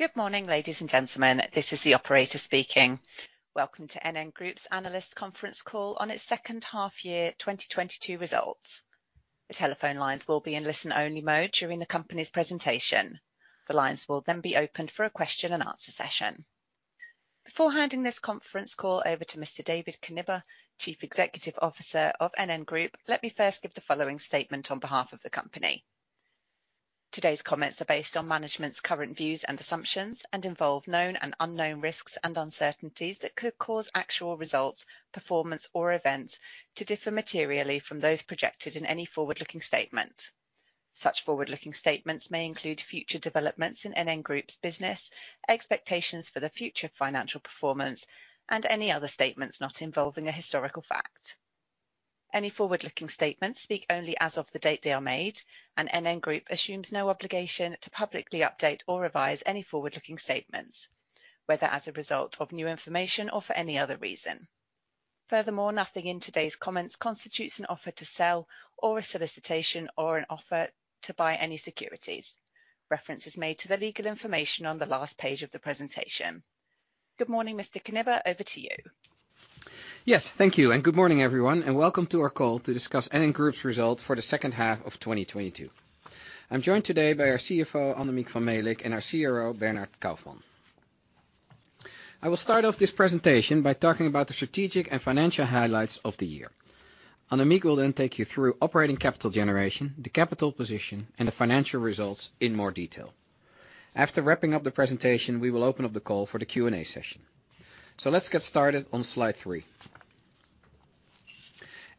Good morning, ladies and gentlemen. This is the operator speaking. Welcome to NN Group's analyst conference call on its second half year 2022 results. The telephone lines will be in listen-only mode during the company's presentation. The lines will then be opened for a question and answer session. Before handing this conference call over to Mr. David Knibbe, Chief Executive Officer of NN Group, let me first give the following statement on behalf of the company. Today's comments are based on management's current views and assumptions and involve known and unknown risks and uncertainties that could cause actual results, performance, or events to differ materially from those projected in any forward-looking statement. Such forward-looking statements may include future developments in NN Group's business, expectations for the future financial performance, and any other statements not involving a historical fact. Any forward-looking statements speak only as of the date they are made, and NN Group assumes no obligation to publicly update or revise any forward-looking statements, whether as a result of new information or for any other reason. Furthermore, nothing in today's comments constitutes an offer to sell or a solicitation or an offer to buy any securities. Reference is made to the legal information on the last page of the presentation. Good morning, Mr. Knibbe. Over to you. Yes, thank you. Good morning, everyone, and welcome to our call to discuss NN Group's results for the second half of 2022. I'm joined today by our CFO, Annemieke van Melick, and our CRO, Bernhard Kaufmann. I will start off this presentation by talking about the strategic and financial highlights of the year. Annemieke will take you through operating capital generation, the capital position, and the financial results in more detail. After wrapping up the presentation, we will open up the call for the Q&A session. Let's get started on slide three.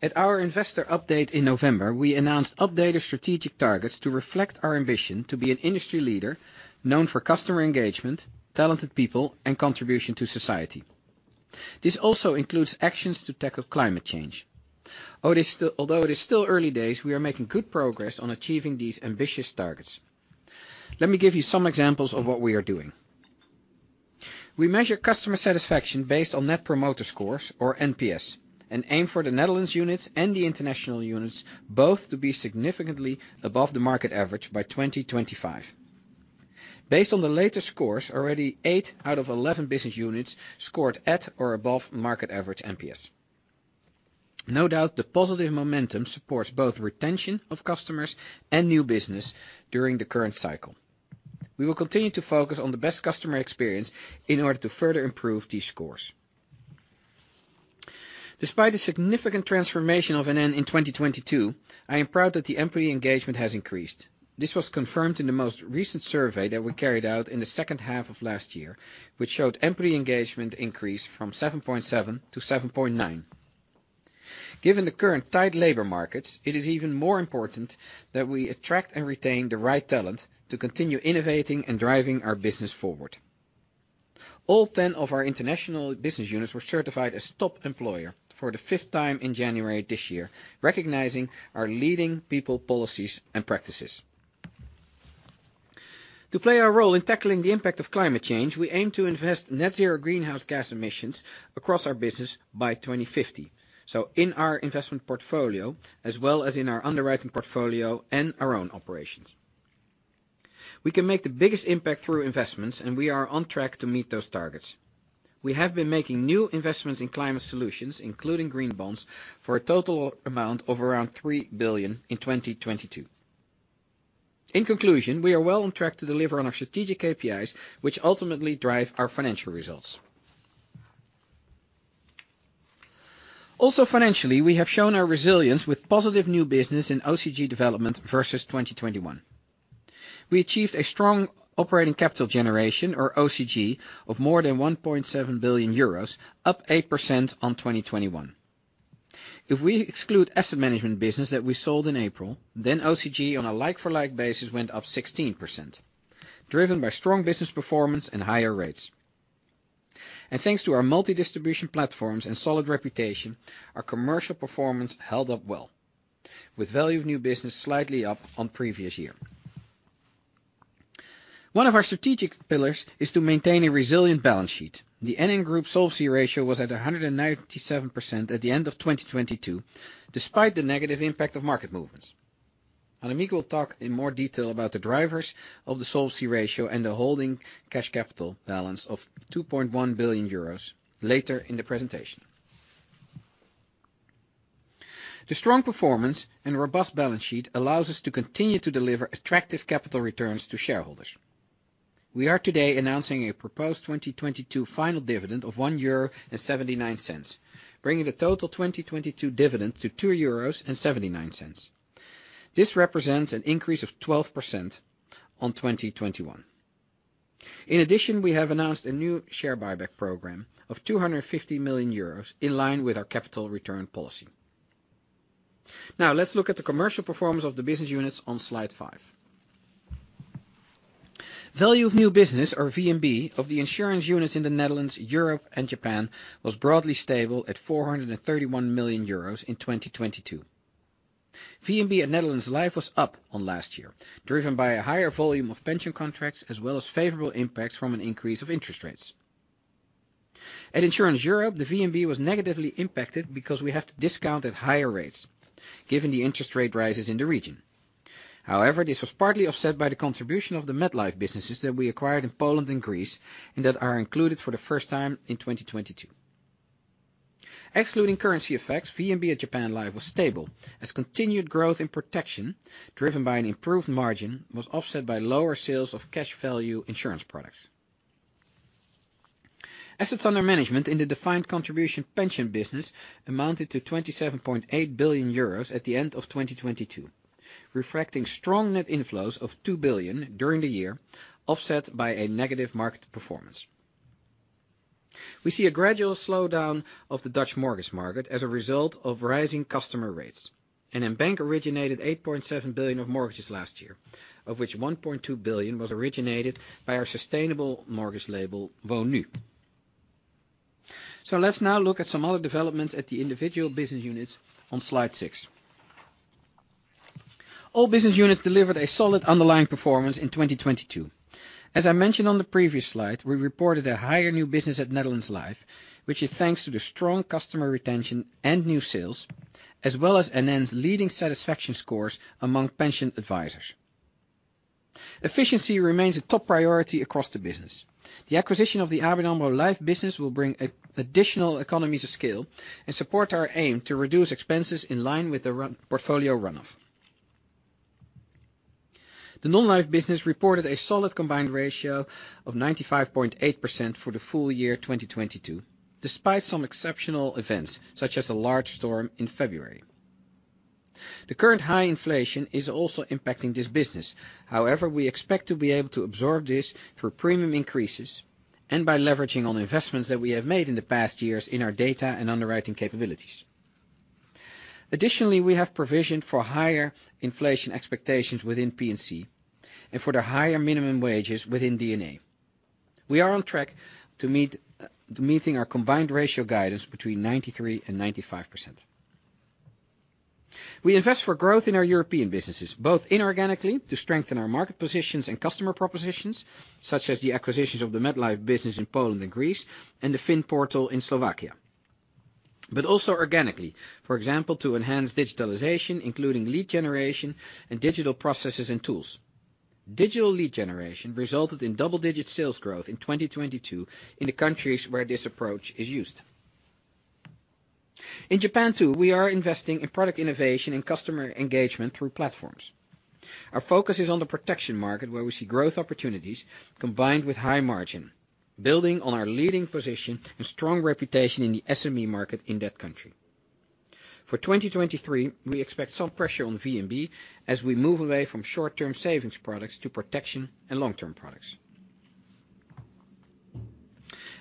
At our investor update in November, we announced updated strategic targets to reflect our ambition to be an industry leader known for customer engagement, talented people, and contribution to society. This also includes actions to tackle climate change. Although it is still early days, we are making good progress on achieving these ambitious targets. Let me give you some examples of what we are doing. We measure customer satisfaction based on Net Promoter Scores or NPS. Aim for the Netherlands units and the international units both to be significantly above the market average by 2025. Based on the latest scores, already eight out of 11 business units scored at or above market average NPS. No doubt the positive momentum supports both retention of customers and new business during the current cycle. We will continue to focus on the best customer experience in order to further improve these scores. Despite the significant transformation of NN in 2022, I am proud that the employee engagement has increased. This was confirmed in the most recent survey that we carried out in the second half of last year, which showed employee engagement increase from 7.7 to 7.9. Given the current tight labor markets, it is even more important that we attract and retain the right talent to continue innovating and driving our business forward. All 10 of our international business units were certified as top employer for the 5th time in January this year, recognizing our leading people, policies and practices. To play our role in tackling the impact of climate change, we aim to invest net zero greenhouse gas emissions across our business by 2050. In our investment portfolio as well as in our underwriting portfolio and our own operations. We can make the biggest impact through investments, and we are on track to meet those targets. We have been making new investments in climate solutions, including green bonds, for a total amount of around 3 billion in 2022. We are well on track to deliver on our strategic KPIs, which ultimately drive our financial results. Financially, we have shown our resilience with positive new business in OCG development versus 2021. We achieved a strong operating capital generation or OCG of more than 1.7 billion euros, up 8% on 2021. If we exclude asset management business that we sold in April, OCG on a like for like basis went up 16%, driven by strong business performance and higher rates. Thanks to our multi-distribution platforms and solid reputation, our commercial performance held up well, with value of new business slightly up on previous year. One of our strategic pillars is to maintain a resilient balance sheet. The NN Group solvency ratio was at 197% at the end of 2022, despite the negative impact of market movements. Annemieke will talk in more detail about the drivers of the solvency ratio and the holding cash capital balance of 2.1 billion euros later in the presentation. The strong performance and robust balance sheet allows us to continue to deliver attractive capital returns to shareholders. We are today announcing a proposed 2022 final dividend of 1.79 euro, bringing the total 2022 dividend to 2.79 euros. This represents an increase of 12% on 2021. In addition, we have announced a new share buyback program of 250 million euros in line with our capital return policy. Let's look at the commercial performance of the business units on slide five. Value of new business or VNB of the insurance units in the Netherlands, Europe and Japan was broadly stable at 431 million euros in 2022. VNB at Netherlands Life was up on last year, driven by a higher volume of pension contracts as well as favorable impacts from an increase of interest rates. At Insurance Europe, the VNB was negatively impacted because we have to discount at higher rates given the interest rate rises in the region. However, this was partly offset by the contribution of the MetLife businesses that we acquired in Poland and Greece, and that are included for the first time in 2022. Excluding currency effects, VNB at Japan Life was stable as continued growth in protection driven by an improved margin was offset by lower sales of cash value insurance products. Assets under management in the defined contribution pension business amounted to 27.8 billion euros at the end of 2022, refracting strong net inflows of 2 billion during the year, offset by a negative market performance. NN Bank originated 8.7 billion of mortgages last year, of which 1.2 billion was originated by our sustainable mortgage label, Woonnu. Let's now look at some other developments at the individual business units on slide six. All business units delivered a solid underlying performance in 2022. As I mentioned on the previous slide, we reported a higher new business at Netherlands Life, which is thanks to the strong customer retention and new sales, as well as NN's leading satisfaction scores among pension advisors. Efficiency remains a top priority across the business. The acquisition of the ABN AMRO Life business will bring additional economies of scale and support our aim to reduce expenses in line with the portfolio run-off. The non-life business reported a solid combined ratio of 95.8% for the full year 2022, despite some exceptional events such as the large storm in February. The current high inflation is also impacting this business. However, we expect to be able to absorb this through premium increases and by leveraging on investments that we have made in the past years in our data and underwriting capabilities. Additionally, we have provisioned for higher inflation expectations within P&C and for the higher minimum wages within D&A. We are on track to meeting our combined ratio guidance between 93% and 95%. We invest for growth in our European businesses, both inorganically to strengthen our market positions and customer propositions, such as the acquisitions of the MetLife business in Poland and Greece, and the Finportal in Slovakia. Also organically, for example, to enhance digitalization, including lead generation and digital processes and tools. Digital lead generation resulted in double-digit sales growth in 2022 in the countries where this approach is used. In Japan, too, we are investing in product innovation and customer engagement through platforms. Our focus is on the protection market, where we see growth opportunities combined with high margin, building on our leading position and strong reputation in the SME market in that country. For 2023, we expect some pressure on VNB as we move away from short-term savings products to protection and long-term products.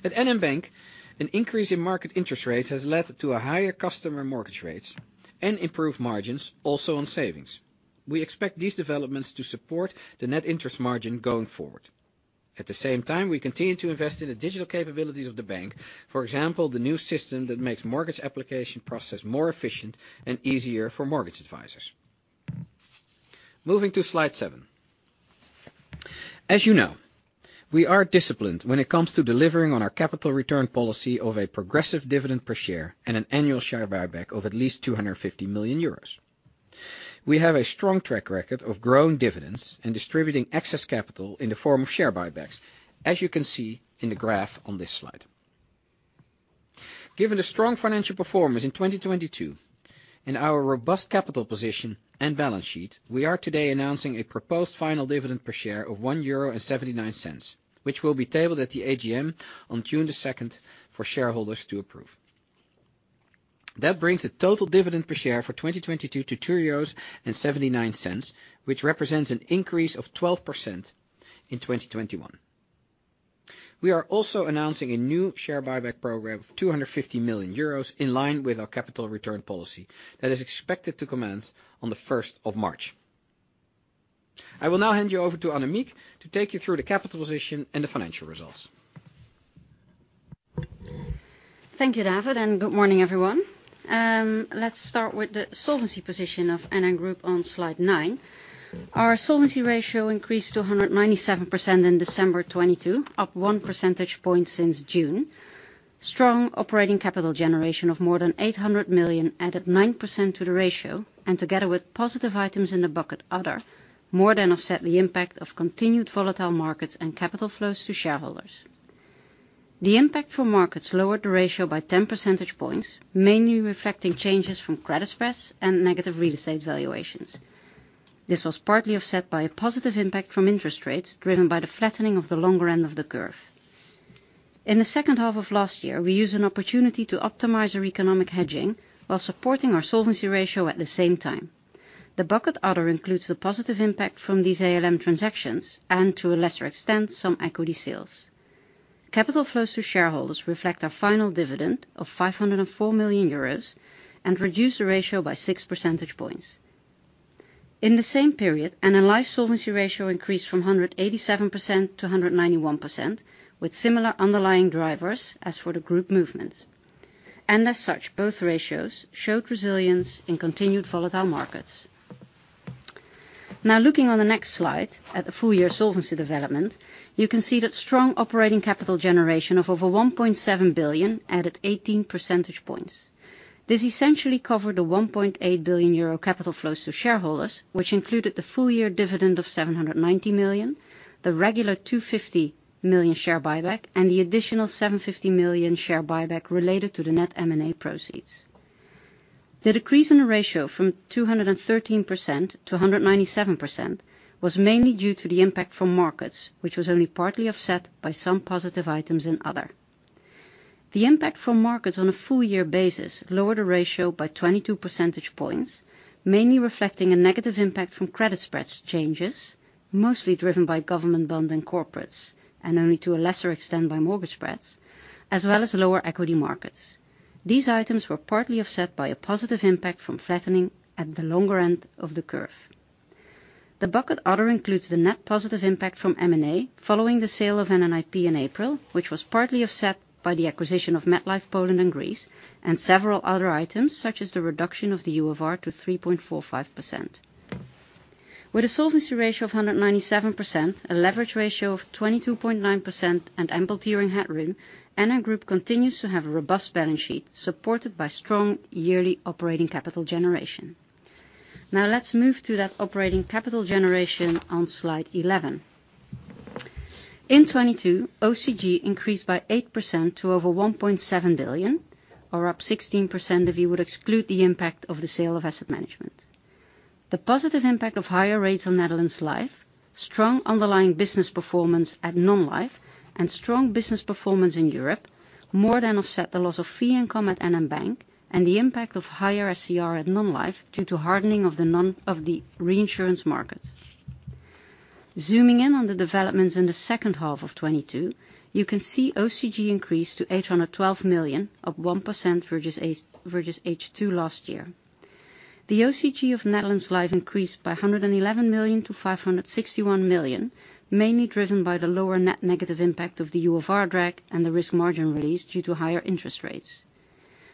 At NN Bank, an increase in market interest rates has led to a higher customer mortgage rates and improved margins also on savings. We expect these developments to support the net interest margin going forward. At the same time, we continue to invest in the digital capabilities of the bank, for example, the new system that makes mortgage application process more efficient and easier for mortgage advisors. Moving to slide seven. As you know, we are disciplined when it comes to delivering on our capital return policy of a progressive dividend per share and an annual share buyback of at least 250 million euros. We have a strong track record of growing dividends and distributing excess capital in the form of share buybacks, as you can see in the graph on this slide. Given the strong financial performance in 2022, in our robust capital position and balance sheet, we are today announcing a proposed final dividend per share of 1.79 euro, which will be tabled at the AGM on June 2nd for shareholders to approve. That brings the total dividend per share for 2022 to 2.79 euros, which represents an increase of 12% in 2021. We are also announcing a new share buyback program of 250 million euros in line with our capital return policy that is expected to commence on March 1st. I will now hand you over to Annemieke to take you through the capital position and the financial results. Thank you, David. Good morning, everyone. Let's start with the solvency position of NN Group on slide 9. Our solvency ratio increased to 197% in December 2022, up 1 percentage point since June. Strong operating capital generation of more than 800 million added 9% to the ratio, and together with positive items in the bucket other, more than offset the impact of continued volatile markets and capital flows to shareholders. The impact from markets lowered the ratio by 10 percentage points, mainly reflecting changes from credit spreads and negative real estate valuations. This was partly offset by a positive impact from interest rates, driven by the flattening of the longer end of the curve. In the second half of last year, we used an opportunity to optimize our economic hedging while supporting our solvency ratio at the same time. The bucket other includes the positive impact from these ALM transactions and to a lesser extent, some equity sales. Capital flows to shareholders reflect our final dividend of 504 million euros and reduce the ratio by six percentage points. In the same period, NN Life solvency ratio increased from 187% to 191%, with similar underlying drivers as for the group movement. As such, both ratios showed resilience in continued volatile markets. Now looking on the next slide at the full year solvency development, you can see that strong operating capital generation of over 1.7 billion added 18 percentage points. This essentially covered the 1.8 billion euro capital flows to shareholders, which included the full year dividend of 790 million, the regular 250 million share buyback, and the additional 750 million share buyback related to the net M&A proceeds. The decrease in the ratio from 213% to 197% was mainly due to the impact from markets, which was only partly offset by some positive items in other. The impact from markets on a full year basis lowered the ratio by 22 percentage points, mainly reflecting a negative impact from credit spreads changes, mostly driven by government bond and corporates, and only to a lesser extent by mortgage spreads, as well as lower equity markets. These items were partly offset by a positive impact from flattening at the longer end of the curve. The bucket other includes the net positive impact from M and A following the sale of NNIP in April, which was partly offset by the acquisition of MetLife Poland and Greece and several other items such as the reduction of the UFR to 3.45%. With a solvency ratio of 197%, a leverage ratio of 22.9%, and ample tiering headroom, NN Group continues to have a robust balance sheet supported by strong yearly operating capital generation. Let's move to that operating capital generation on slide 11. In 2022, OCG increased by 8% to over 1.7 billion, or up 16% if you would exclude the impact of the sale of asset management. The positive impact of higher rates on Netherlands Life, strong underlying business performance at Non-Life, and strong business performance in Europe more than offset the loss of fee income at NN Bank and the impact of higher SCR at Non-Life due to hardening of the reinsurance market. Zooming in on the developments in the second half of 2022, you can see OCG increase to 812 million of one percent versus H2 last year. The OCG of Netherlands Life increased by 111 million to 561 million, mainly driven by the lower net negative impact of the UFR drag and the risk margin release due to higher interest rates.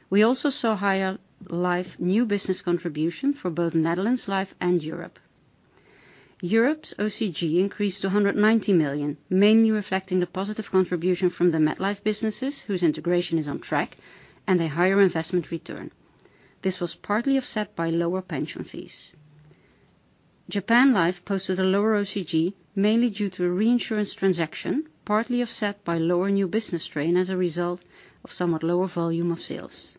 We also saw higher life new business contribution for both Netherlands Life and Europe. Europe's OCG increased to 190 million, mainly reflecting the positive contribution from the MetLife businesses whose integration is on track and a higher investment return. This was partly offset by lower pension fees. Japan Life posted a lower OCG, mainly due to a reinsurance transaction, partly offset by lower new business strain as a result of somewhat lower volume of sales.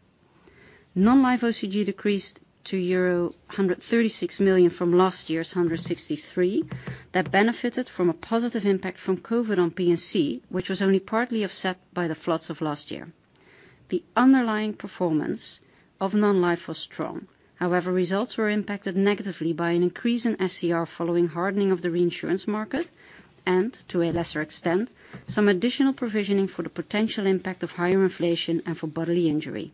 Non-Life OCG decreased to euro 136 million from last year's 163 million. That benefited from a positive impact from COVID on P&C, which was only partly offset by the floods of last year. The underlying performance of Non-Life was strong. However, results were impacted negatively by an increase in SCR following hardening of the reinsurance market and, to a lesser extent, some additional provisioning for the potential impact of higher inflation and for bodily injury.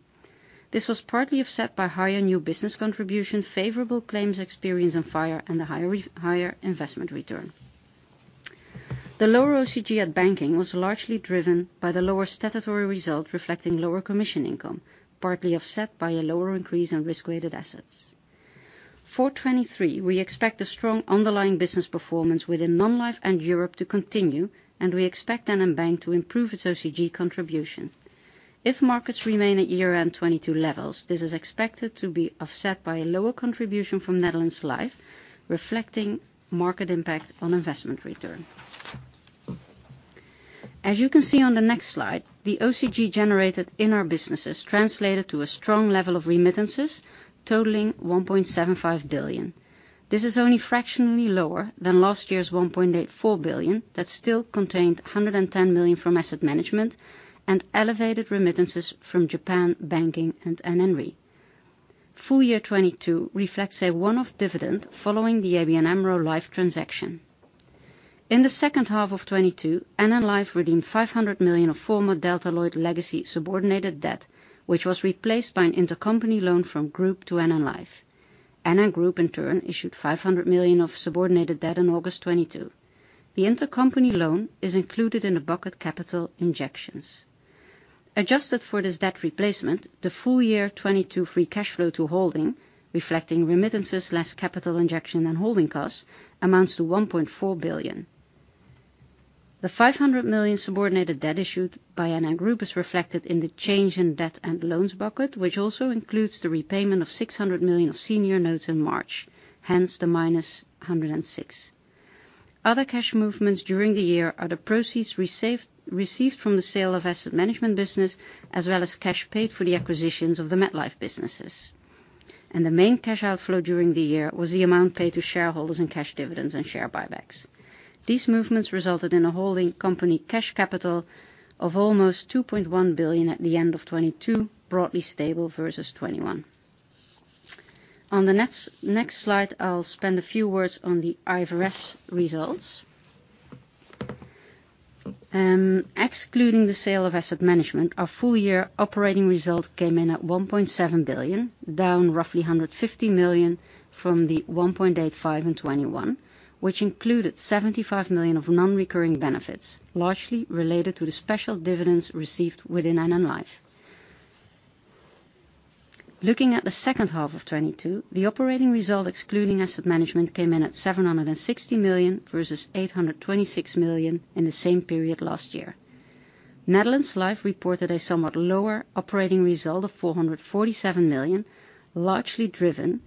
This was partly offset by higher new business contribution, favorable claims experience on fire, and a higher investment return. The lower OCG at banking was largely driven by the lower statutory result, reflecting lower commission income, partly offset by a lower increase in risk-weighted assets. For 2023, we expect a strong underlying business performance within Non-Life and Europe to continue, and we expect NN Bank to improve its OCG contribution. If markets remain at year-end 2022 levels, this is expected to be offset by a lower contribution from Netherlands Life, reflecting market impact on investment return. As you can see on the next slide, the OCG generated in our businesses translated to a strong level of remittances totaling 1.75 billion. This is only fractionally lower than last year's 1.84 billion that still contained 110 million from asset management and elevated remittances from Japan, banking, and NN Re. Full year 2022 reflects a one-off dividend following the ABN AMRO Life transaction. In the second half of 2022, NN Life redeemed 500 million of former Delta Lloyd legacy subordinated debt, which was replaced by an intercompany loan from Group to NN Life. NN Group, in turn, issued 500 million of subordinated debt in August 2022. The intercompany loan is included in the bucket capital injections. Adjusted for this debt replacement, the full year 2022 free cash flow to holding, reflecting remittances less capital injection and holding costs, amounts to 1.4 billion. The 500 million subordinated debt issued by NN Group is reflected in the change in debt and loans bucket, which also includes the repayment of 600 million of senior notes in March, hence the -106. Other cash movements during the year are the proceeds received from the sale of asset management business, as well as cash paid for the acquisitions of the MetLife businesses. The main cash outflow during the year was the amount paid to shareholders in cash dividends and share buybacks. These movements resulted in a holding company cash capital of almost 2.1 billion at the end of 2022, broadly stable versus 2021. On the next slide, I'll spend a few words on the IFRS results. Excluding the sale of asset management, our full year operating result came in at 1.7 billion, down roughly 150 million from the 1.85 billion in 2021, which included 75 million of non-recurring benefits, largely related to the special dividends received within NN Life. Looking at the second half of 2022, the operating result, excluding asset management, came in at 760 million, versus 826 million in the same period last year. Netherlands Life reported a somewhat lower operating result of 447 million, largely driven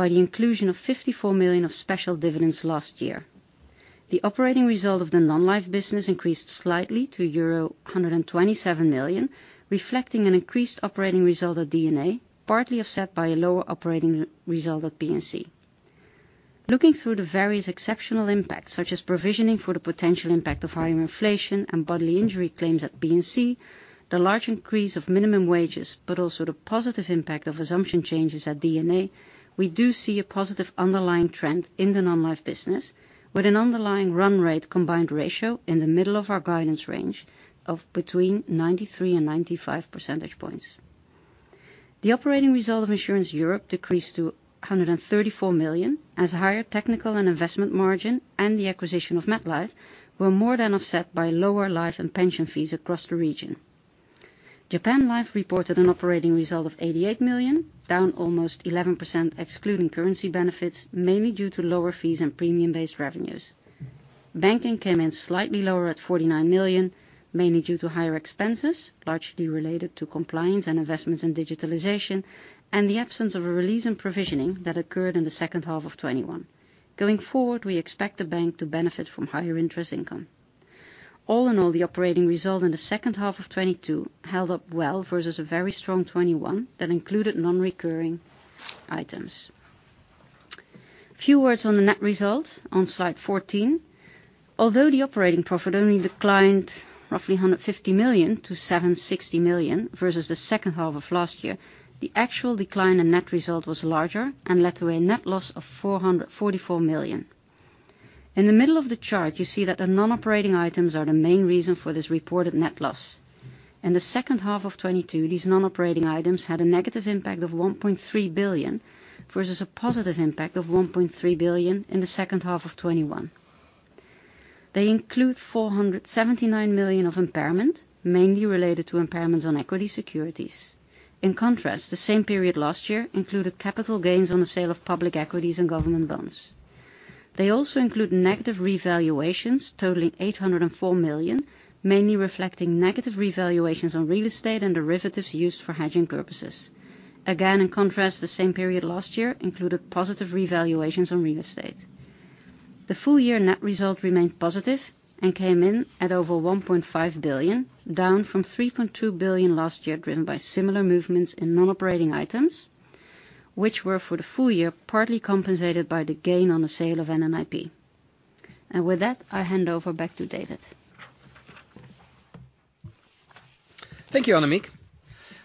by the inclusion of 54 million of special dividends last year. The operating result of the Non-Life business increased slightly to euro 127 million, reflecting an increased operating result at D&A, partly offset by a lower operating result at P&C. Looking through the various exceptional impacts, such as provisioning for the potential impact of higher inflation and bodily injury claims at P&C, the large increase of minimum wages, but also the positive impact of assumption changes at D&A, we do see a positive underlying trend in the Non-Life business, with an underlying run rate combined ratio in the middle of our guidance range of between 93 and 95 percentage points. The operating result of Insurance Europe decreased to 134 million, as higher technical and investment margin and the acquisition of MetLife were more than offset by lower life and pension fees across the region. Japan Life reported an operating result of 88 million, down almost 11% excluding currency benefits, mainly due to lower fees and premium-based revenues. Banking came in slightly lower at 49 million, mainly due to higher expenses, largely related to compliance and investments in digitalization, and the absence of a release in provisioning that occurred in the second half of 2021. Going forward, we expect the bank to benefit from higher interest income. All in all, the operating result in the second half of 2022 held up well versus a very strong 2021 that included non-recurring items. Few words on the net result on slide 14. Although the operating profit only declined roughly 150 million to 760 million versus the second half of last year, the actual decline in net result was larger and led to a net loss of 444 million. In the middle of the chart, you see that the non-operating items are the main reason for this reported net loss. In the second half of 2022, these non-operating items had a negative impact of 1.3 billion, versus a positive impact of 1.3 billion in the second half of 2021. They include 479 million of impairment, mainly related to impairments on equity securities. In contrast, the same period last year included capital gains on the sale of public equities and government bonds. They also include negative revaluations totaling 804 million, mainly reflecting negative revaluations on real estate and derivatives used for hedging purposes. Again, in contrast, the same period last year included positive revaluations on real estate. The full year net result remained positive and came in at over 1.5 billion, down from 3.2 billion last year, driven by similar movements in non-operating items, which were for the full year, partly compensated by the gain on the sale of NNIP. With that, I hand over back to David. Thank you, Annemieke.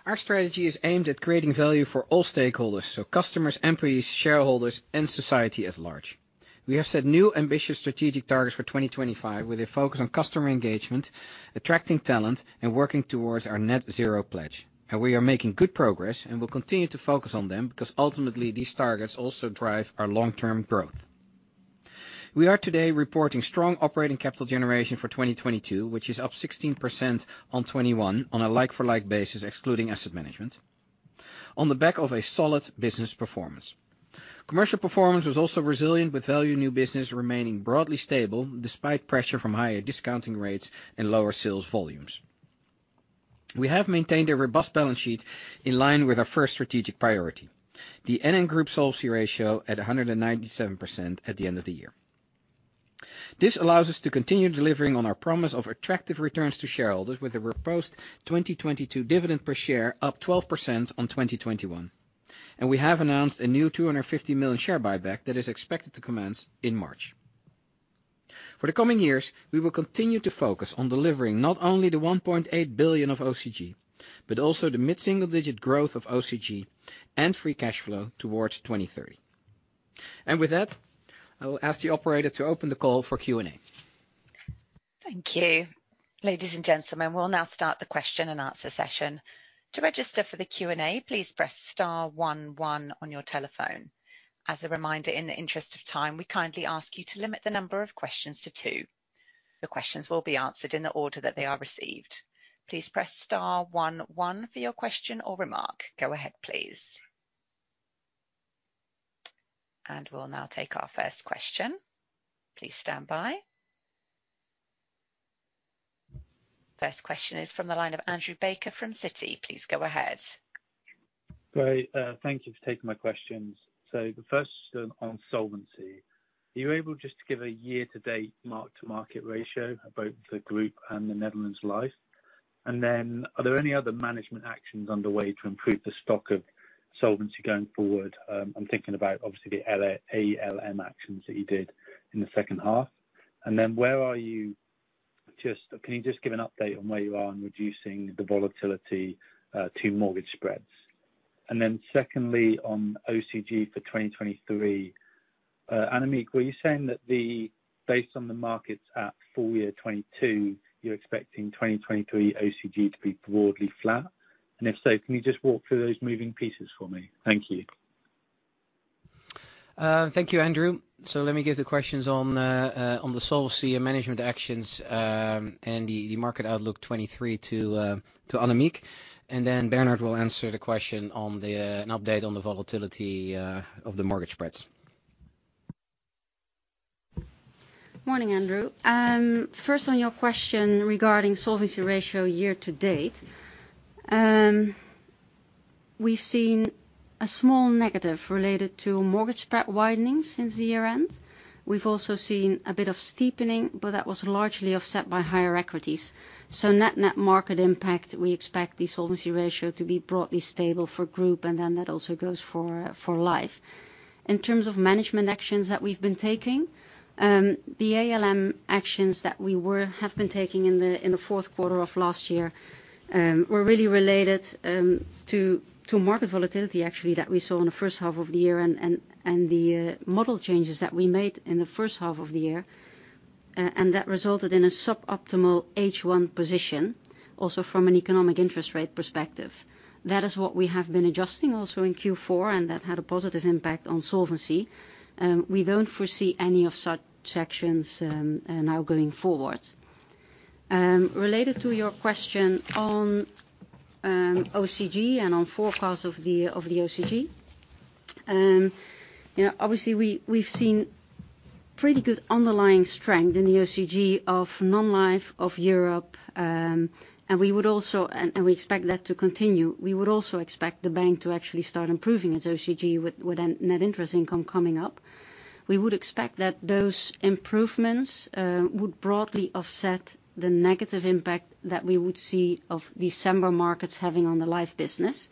Our strategy is aimed at creating value for all stakeholders, so customers, employees, shareholders and society at large. We have set new ambitious strategic targets for 2025, with a focus on customer engagement, attracting talent, and working towards our net zero pledge. We are making good progress, and will continue to focus on them, because ultimately these targets also drive our long-term growth. We are today reporting strong operating capital generation for 2022, which is up 16% on 2021 on a like for like basis, excluding asset management, on the back of a solid business performance. Commercial performance was also resilient, with value new business remaining broadly stable despite pressure from higher discounting rates and lower sales volumes. We have maintained a robust balance sheet in line with our first strategic priority, the NN Group solvency ratio at 197% at the end of the year. This allows us to continue delivering on our promise of attractive returns to shareholders with a proposed 2022 dividend per share up 12% on 2021. We have announced a new 250 million share buyback that is expected to commence in March. For the coming years, we will continue to focus on delivering not only the 1.8 billion of OCG, but also the mid-single digit growth of OCG and free cash flow towards 2030. With that, I will ask the operator to open the call for Q&A. Thank you. Ladies and gentlemen, we'll now start the question and answer session. To register for the Q&A, please press star 11 on your telephone. As a reminder, in the interest of time, we kindly ask you to limit the number of questions to two. Your questions will be answered in the order that they are received. Please press star 11 for your question or remark. Go ahead, please. We'll now take our first question. Please stand by. First question is from the line of Andrew Baker from Citi. Please go ahead. Great. Thank you for taking my questions. The first on solvency, are you able just to give a year to date market to market ratio about the group and the Netherlands Life? Are there any other management actions underway to improve the stock of solvency going forward? I'm thinking about obviously the ALM actions that you did in the second half. Where are you? Can you just give an update on where you are on reducing the volatility to mortgage spreads? Secondly, on OCG for 2023, Annemieke, were you saying that the, based on the markets at full year 2022, you're expecting 2023 OCG to be broadly flat? If so, can you just walk through those moving pieces for me? Thank you. Thank you, Andrew. Let me give the questions on the solvency and management actions, and the market outlook 2023 to Annemieke. Bernhard will answer the question on the an update on the volatility of the mortgage spreads. Morning, Andrew. First on your question regarding solvency ratio year to date. We've seen a small negative related to mortgage spread widening since the year end. We've also seen a bit of steepening, that was largely offset by higher equities. Net, net market impact, we expect the solvency ratio to be broadly stable for group, and that also goes for Life. In terms of management actions that we've been taking, the ALM actions that we have been taking in the fourth quarter of last year, were really related to market volatility actually, that we saw in the first half of the year and the model changes that we made in the first half of the year. That resulted in a suboptimal H1 position, also from an economic interest rate perspective. That is what we have been adjusting also in Q4, and that had a positive impact on solvency. We don't foresee any of such actions now going forward. Related to your question on OCG and on forecast of the OCG. You know, obviously we've seen pretty good underlying strength in the OCG of non-life of Europe, and we would also expect that to continue. We would also expect the bank to actually start improving its OCG with net interest income coming up. We would expect that those improvements would broadly offset the negative impact that we would see of December markets having on the life business.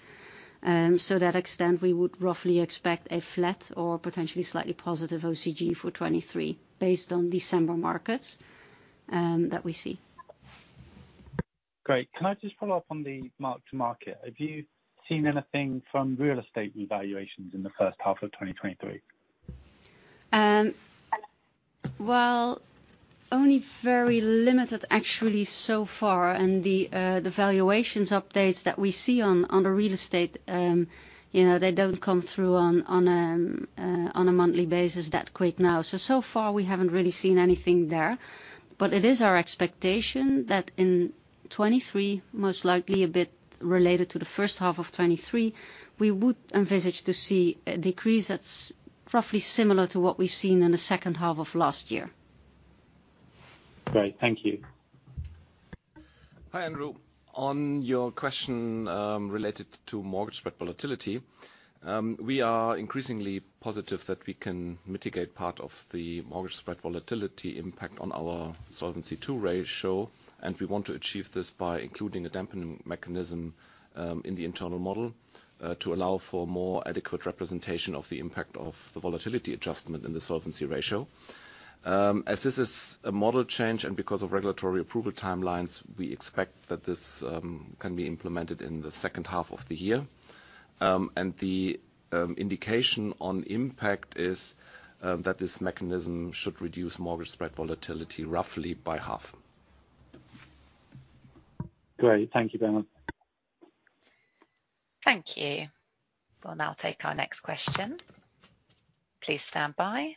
To that extent we would roughly expect a flat or potentially slightly positive OCG for 23 based on December markets that we see. Great. Can I just follow up on the mark to market? Have you seen anything from real estate evaluations in the first half of 2023? Well, only very limited actually so far. The valuations updates that we see on the real estate, you know, they don't come through on a monthly basis that quick now. So far we haven't really seen anything there. It is our expectation that in 2023, most likely a bit related to the first half of 2023, we would envisage to see a decrease that's roughly similar to what we've seen in the second half of last year. Great. Thank you. Hi, Andrew. On your question, related to mortgage spread volatility, we are increasingly positive that we can mitigate part of the mortgage spread volatility impact on our Solvency II ratio. We want to achieve this by including a dampening mechanism, in the internal model, to allow for more adequate representation of the impact of the volatility adjustment in the solvency ratio. As this is a model change and because of regulatory approval timelines, we expect that this can be implemented in the second half of the year. The indication on impact is, that this mechanism should reduce mortgage spread volatility roughly by half. Great. Thank you very much. Thank you. We'll now take our next question. Please stand by.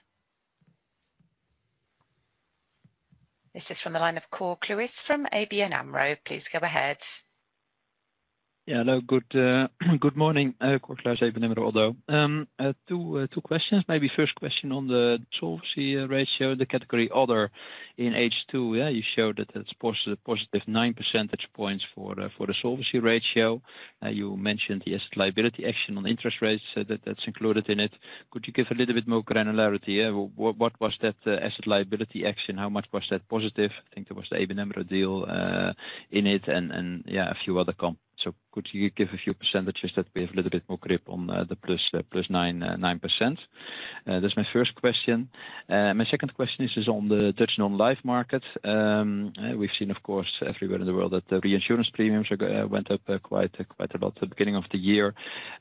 This is from the line of Cor Kluis from ABN AMRO. lease go ahead. Yeah. Hello, good morning, Cor Kluis, ABN AMRO. Two questions. Maybe first question on the solvency ratio, the category other in H2. You showed that it's positive 9 percentage points for the solvency ratio. You mentioned the asset liability action on interest rates, so that's included in it. Could you give a little bit more granularity? What was that asset liability action? How much was that positive? I think there was the ABN AMRO deal in it and, yeah, a few other comp. Could you give a few percentages that we have a little bit more grip on the plus 9%? That's my first question. My second question is on the Dutch non-life market. We've seen, of course, everywhere in the world that the reinsurance premiums are went up quite a lot at the beginning of the year.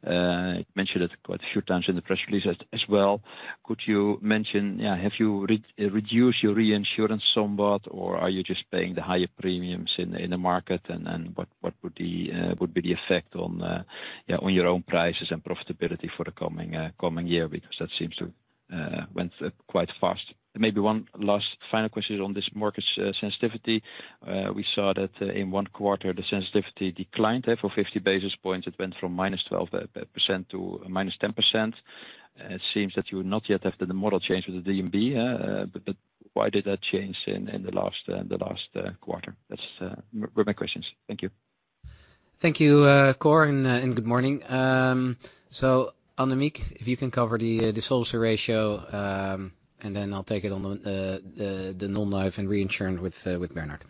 It mentioned it quite a few times in the press release as well. Could you mention, yeah, have you reduced your reinsurance somewhat, or are you just paying the higher premiums in the market and what would the would be the effect on your own prices and profitability for the coming year? Because that seems to went up quite fast. Maybe one last final question on this market sensitivity. We saw that in one quarter the sensitivity declined there for 50 basis points. It went from -12% to -10%. It seems that you're not yet after the model change with the DNB, why did that change in the last, the last quarter? That's, were my questions. Thank you. Thank you, Cor, and good morning. Annemieke, if you can cover the solvency ratio, and then I'll take it on the non-life and reinsurance with Bernhard.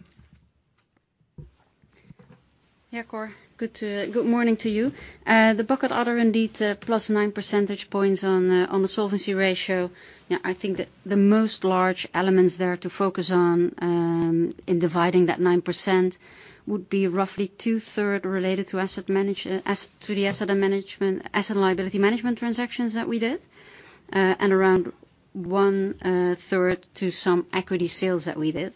Cor, good morning to you. The bucket other indeed, plus nine percentage points on the solvency ratio. I think the most large elements there to focus on in dividing that 9% would be roughly two third related to asset and liability management transactions that we did, and around one third to some equity sales that we did.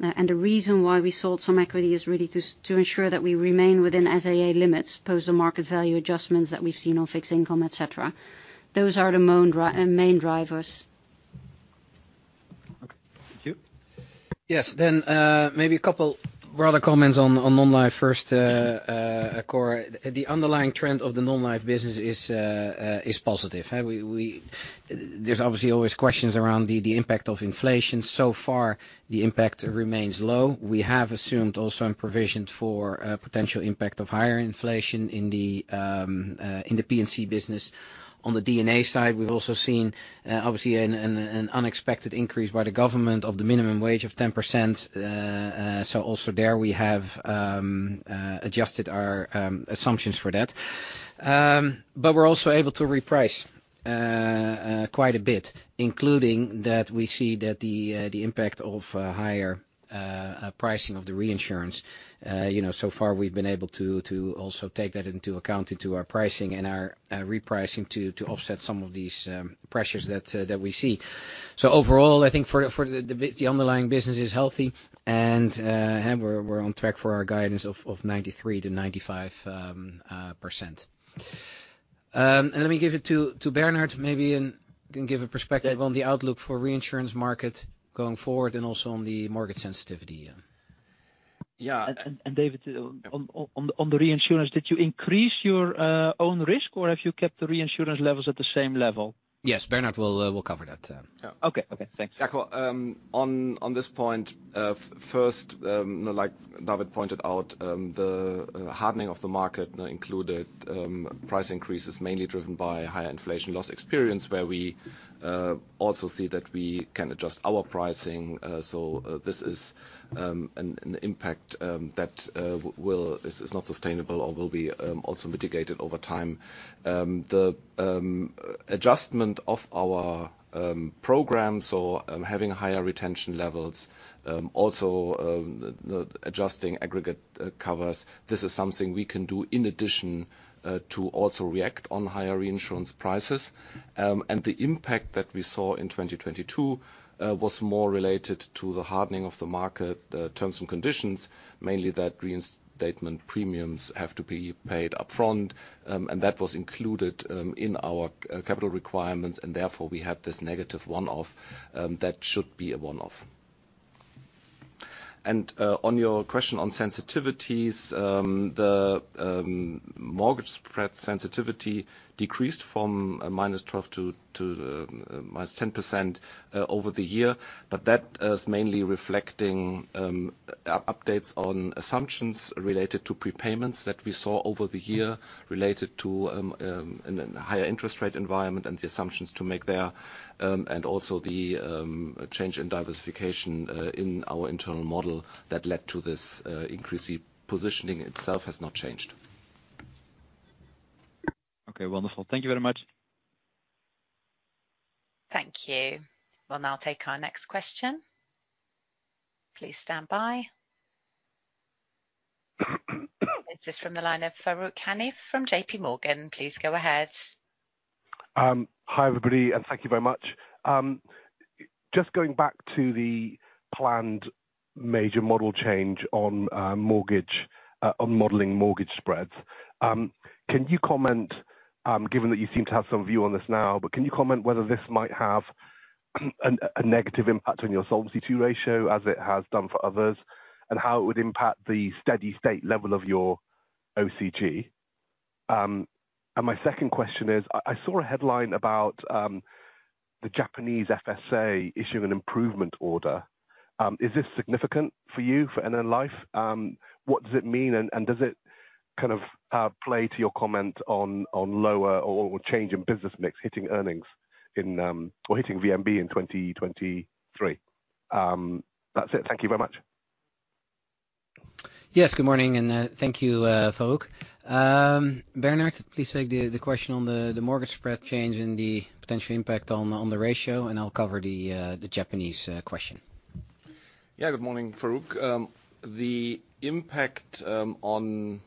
The reason why we sold some equity is really to ensure that we remain within SAA limits, post the market value adjustments that we've seen on fixed income, et cetera. Those are the main drivers. Okay. Thank you. Yes. Maybe a couple broader comments on non-life first, Cor. The underlying trend of the non-life business is positive. There's obviously always questions around the impact of inflation. So far, the impact remains low. We have assumed also in provision for potential impact of higher inflation in the P&C business. On the D&A side, we've also seen obviously an unexpected increase by the government of the minimum wage of 10%. Also there we have adjusted our assumptions for that. We're also able to reprice quite a bit, including that we see that the impact of higher pricing of the reinsurance. you know, so far we've been able to also take that into account into our pricing and our repricing to offset some of these pressures that we see. Overall, I think for the underlying business is healthy, and we're on track for our guidance of 93%-95%. Let me give it to Bernhard maybe, and can give a perspective on the outlook for reinsurance market going forward and also on the mortgage sensitivity, yeah. Yeah. David, on the reinsurance, did you increase your own risk, or have you kept the reinsurance levels at the same level? Yes. Bernhard will cover that. Yeah. Okay. Okay. Thanks. Jaco, on this point, first, like David pointed out, the hardening of the market included price increases mainly driven by higher inflation loss experience, where we also see that we can adjust our pricing. So this is an impact that is not sustainable or will be also mitigated over time. The adjustment of our programs or having higher retention levels, also the adjusting aggregate covers, this is something we can do in addition to also react on higher reinsurance prices. The impact that we saw in 2022, was more related to the hardening of the market, terms and conditions, mainly that reinstatement premiums have to be paid upfront. That was included in our capital requirements, and therefore we had this negative one-off that should be a one-off. On your question on sensitivities, the mortgage spread sensitivity decreased from -12 to -10% over the year, but that is mainly reflecting updates on assumptions related to prepayments that we saw over the year related to a higher interest rate environment and the assumptions to make there, and also the change in diversification in our internal model that led to this increase. The positioning itself has not changed. Okay, wonderful. Thank you very much. Thank you. We'll now take our next question. Please stand by. This is from the line of Faruq Hanif from J.P. Morgan. Please go ahead. Hi, everybody, thank you very much. Just going back to the planned major model change on mortgage on modeling mortgage spreads, can you comment, given that you seem to have some view on this now, but can you comment whether this might have a negative impact on your Solvency II ratio as it has done for others, and how it would impact the steady state level of your OCG? My second question is, I saw a headline about the Japanese FSA issuing an improvement order. Is this significant for you, for NN Life? What does it mean, and does it kind of play to your comment on lower or change in business mix hitting earnings in or hitting VNB in 2023? That's it. Thank you very much. Yes. Good morning, and thank you, Farooq. Bernhard, please take the question on the mortgage spread change and the potential impact on the ratio, and I'll cover the Japanese question. Yeah. Good morning, Farooq. The impact on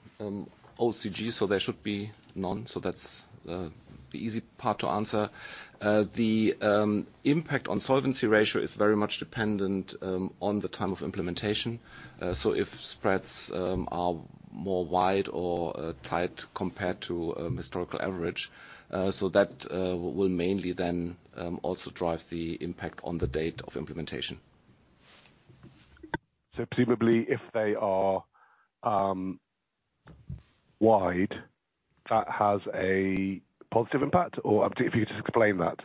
OCG, there should be none. That's the easy part to answer. The impact on solvency ratio is very much dependent on the time of implementation. If spreads are more wide or tight compared to historical average, that will mainly then also drive the impact on the date of implementation. presumably if they are, wide, that has a positive impact? If you could just explain that.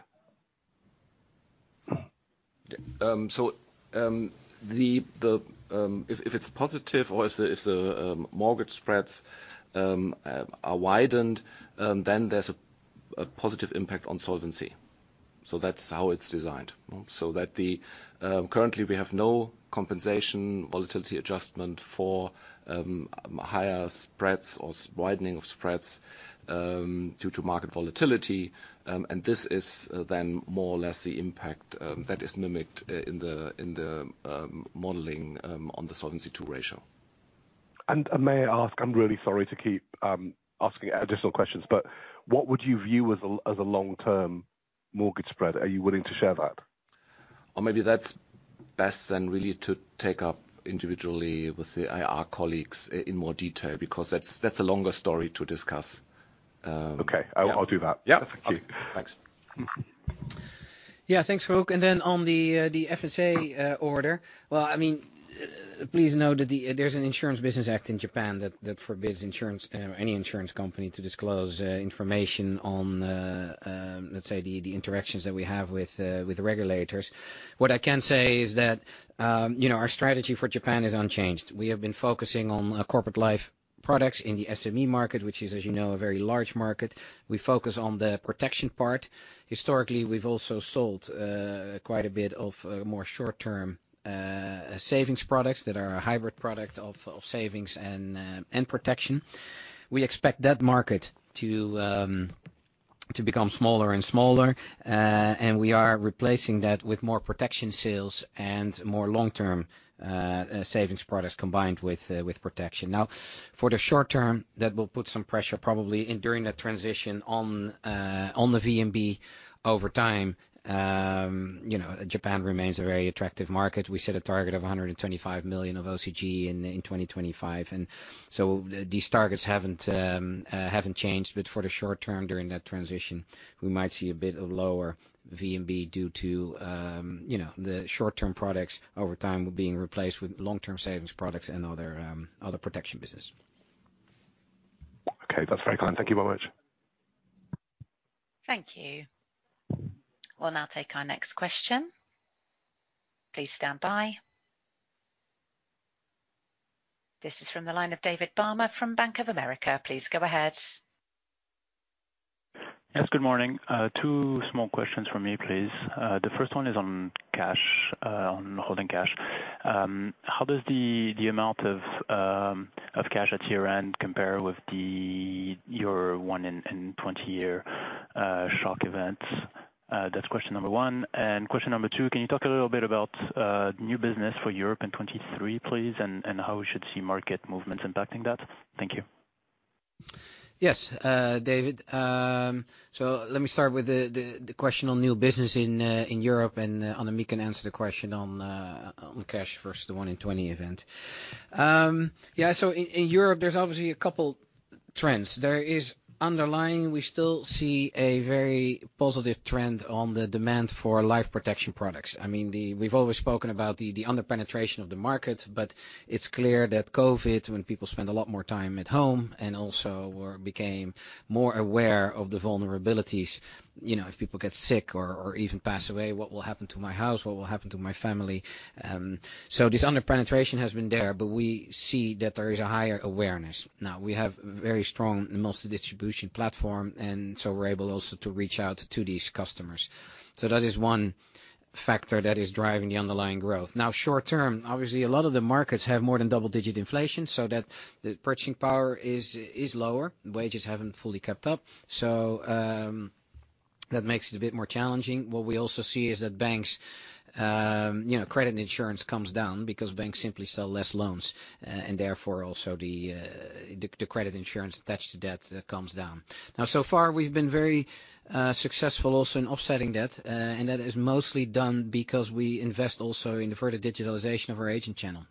If it's positive or if the mortgage spreads are widened, then there's a positive impact on solvency. That's how it's designed. That currently we have no compensation volatility adjustment for higher spreads or widening of spreads due to market volatility, and this is then more or less the impact that is mimicked in the modeling on the Solvency II ratio. May I ask, I'm really sorry to keep asking additional questions, what would you view as a long-term mortgage spread? Are you willing to share that? Maybe that's best then really to take up individually with the IR colleagues in more detail because that's a longer story to discuss. Okay. Yeah. I'll do that. Yeah. Thank you. Thanks. Yeah. Thanks, Luke. Then on the FSA order. Well, I mean, please know that there's an Insurance Business Act in Japan that forbids any insurance company to disclose information on, let's say the interactions that we have with the regulators. What I can say is that, you know, our strategy for Japan is unchanged. We have been focusing on corporate life products in the SME market, which is, as you know, a very large market. We focus on the protection part. Historically, we've also sold quite a bit of more short-term savings products that are a hybrid product of savings and protection. We expect that market to become smaller and smaller. We are replacing that with more protection sales and more long-term savings products combined with protection. For the short term, that will put some pressure probably and during that transition on the VNB over time. You know, Japan remains a very attractive market. We set a target of 125 million of OCG in 2025, these targets haven't changed. For the short term, during that transition, we might see a bit of lower VNB due to, you know, the short-term products over time being replaced with long-term savings products and other protection business. Okay. That's very kind. Thank you very much. Thank you. We'll now take our next question. Please stand by. This is from the line of David Barma from Bank of America. Please go ahead. Yes, good morning. Two small questions from me, please. The first one is on cash, on holding cash. How does the amount of cash at year-end compare with your one in 20 year shock event? That's question number one. Question number two, can you talk a little bit about new business for Europe in 2023 please, and how we should see market movements impacting that? Thank you. Yes, David. Let me start with the, the question on new business in Europe. Annemieke can answer the question on cash versus the one in 20 event. In Europe, there's obviously a couple trends. There is underlying, we still see a very positive trend on the demand for life protection products. I mean, we've always spoken about the under-penetration of the market. It's clear that COVID, when people spend a lot more time at home and also were became more aware of the vulnerabilities, you know, if people get sick or even pass away, what will happen to my house, what will happen to my family? This under-penetration has been there, but we see that there is a higher awareness now. We have very strong mostly distribution platform. We're able also to reach out to these customers. That is one factor that is driving the underlying growth. Short term, obviously a lot of the markets have more than double-digit inflation, so that the purchasing power is lower. Wages haven't fully kept up. That makes it a bit more challenging. What we also see is that banks, you know, credit insurance comes down because banks simply sell less loans, and therefore also the credit insurance attached to debt comes down. So far we've been very successful also in offsetting debt. That is mostly done because we invest also in the further digitalization of our agent channel.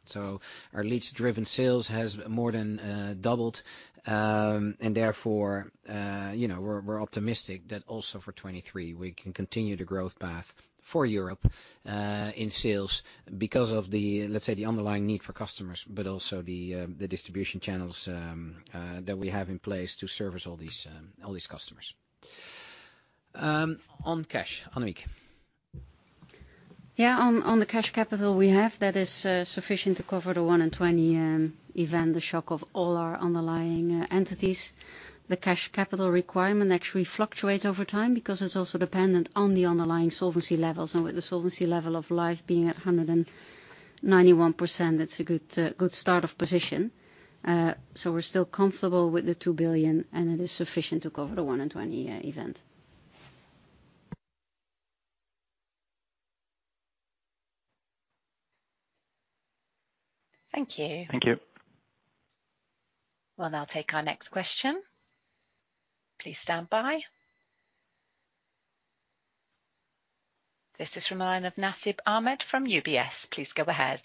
Our leads driven sales has more than doubled. Therefore, we're optimistic that also for 23 we can continue the growth path for Europe in sales because of the underlying need for customers, but also the distribution channels that we have in place to service all these customers. On cash, Annemieke. On the cash capital we have, that is sufficient to cover the 1 in 20 event, the shock of all our underlying entities. The cash capital requirement actually fluctuates over time because it's also dependent on the underlying solvency levels. With the solvency level of NN Life being at 191%, that's a good start of position. We're still comfortable with the 2 billion, and it is sufficient to cover the 1 in 20 event. Thank you. Thank you. We'll now take our next question. Please stand by. This is from the line of Nasib Ahmed from UBS. Please go ahead.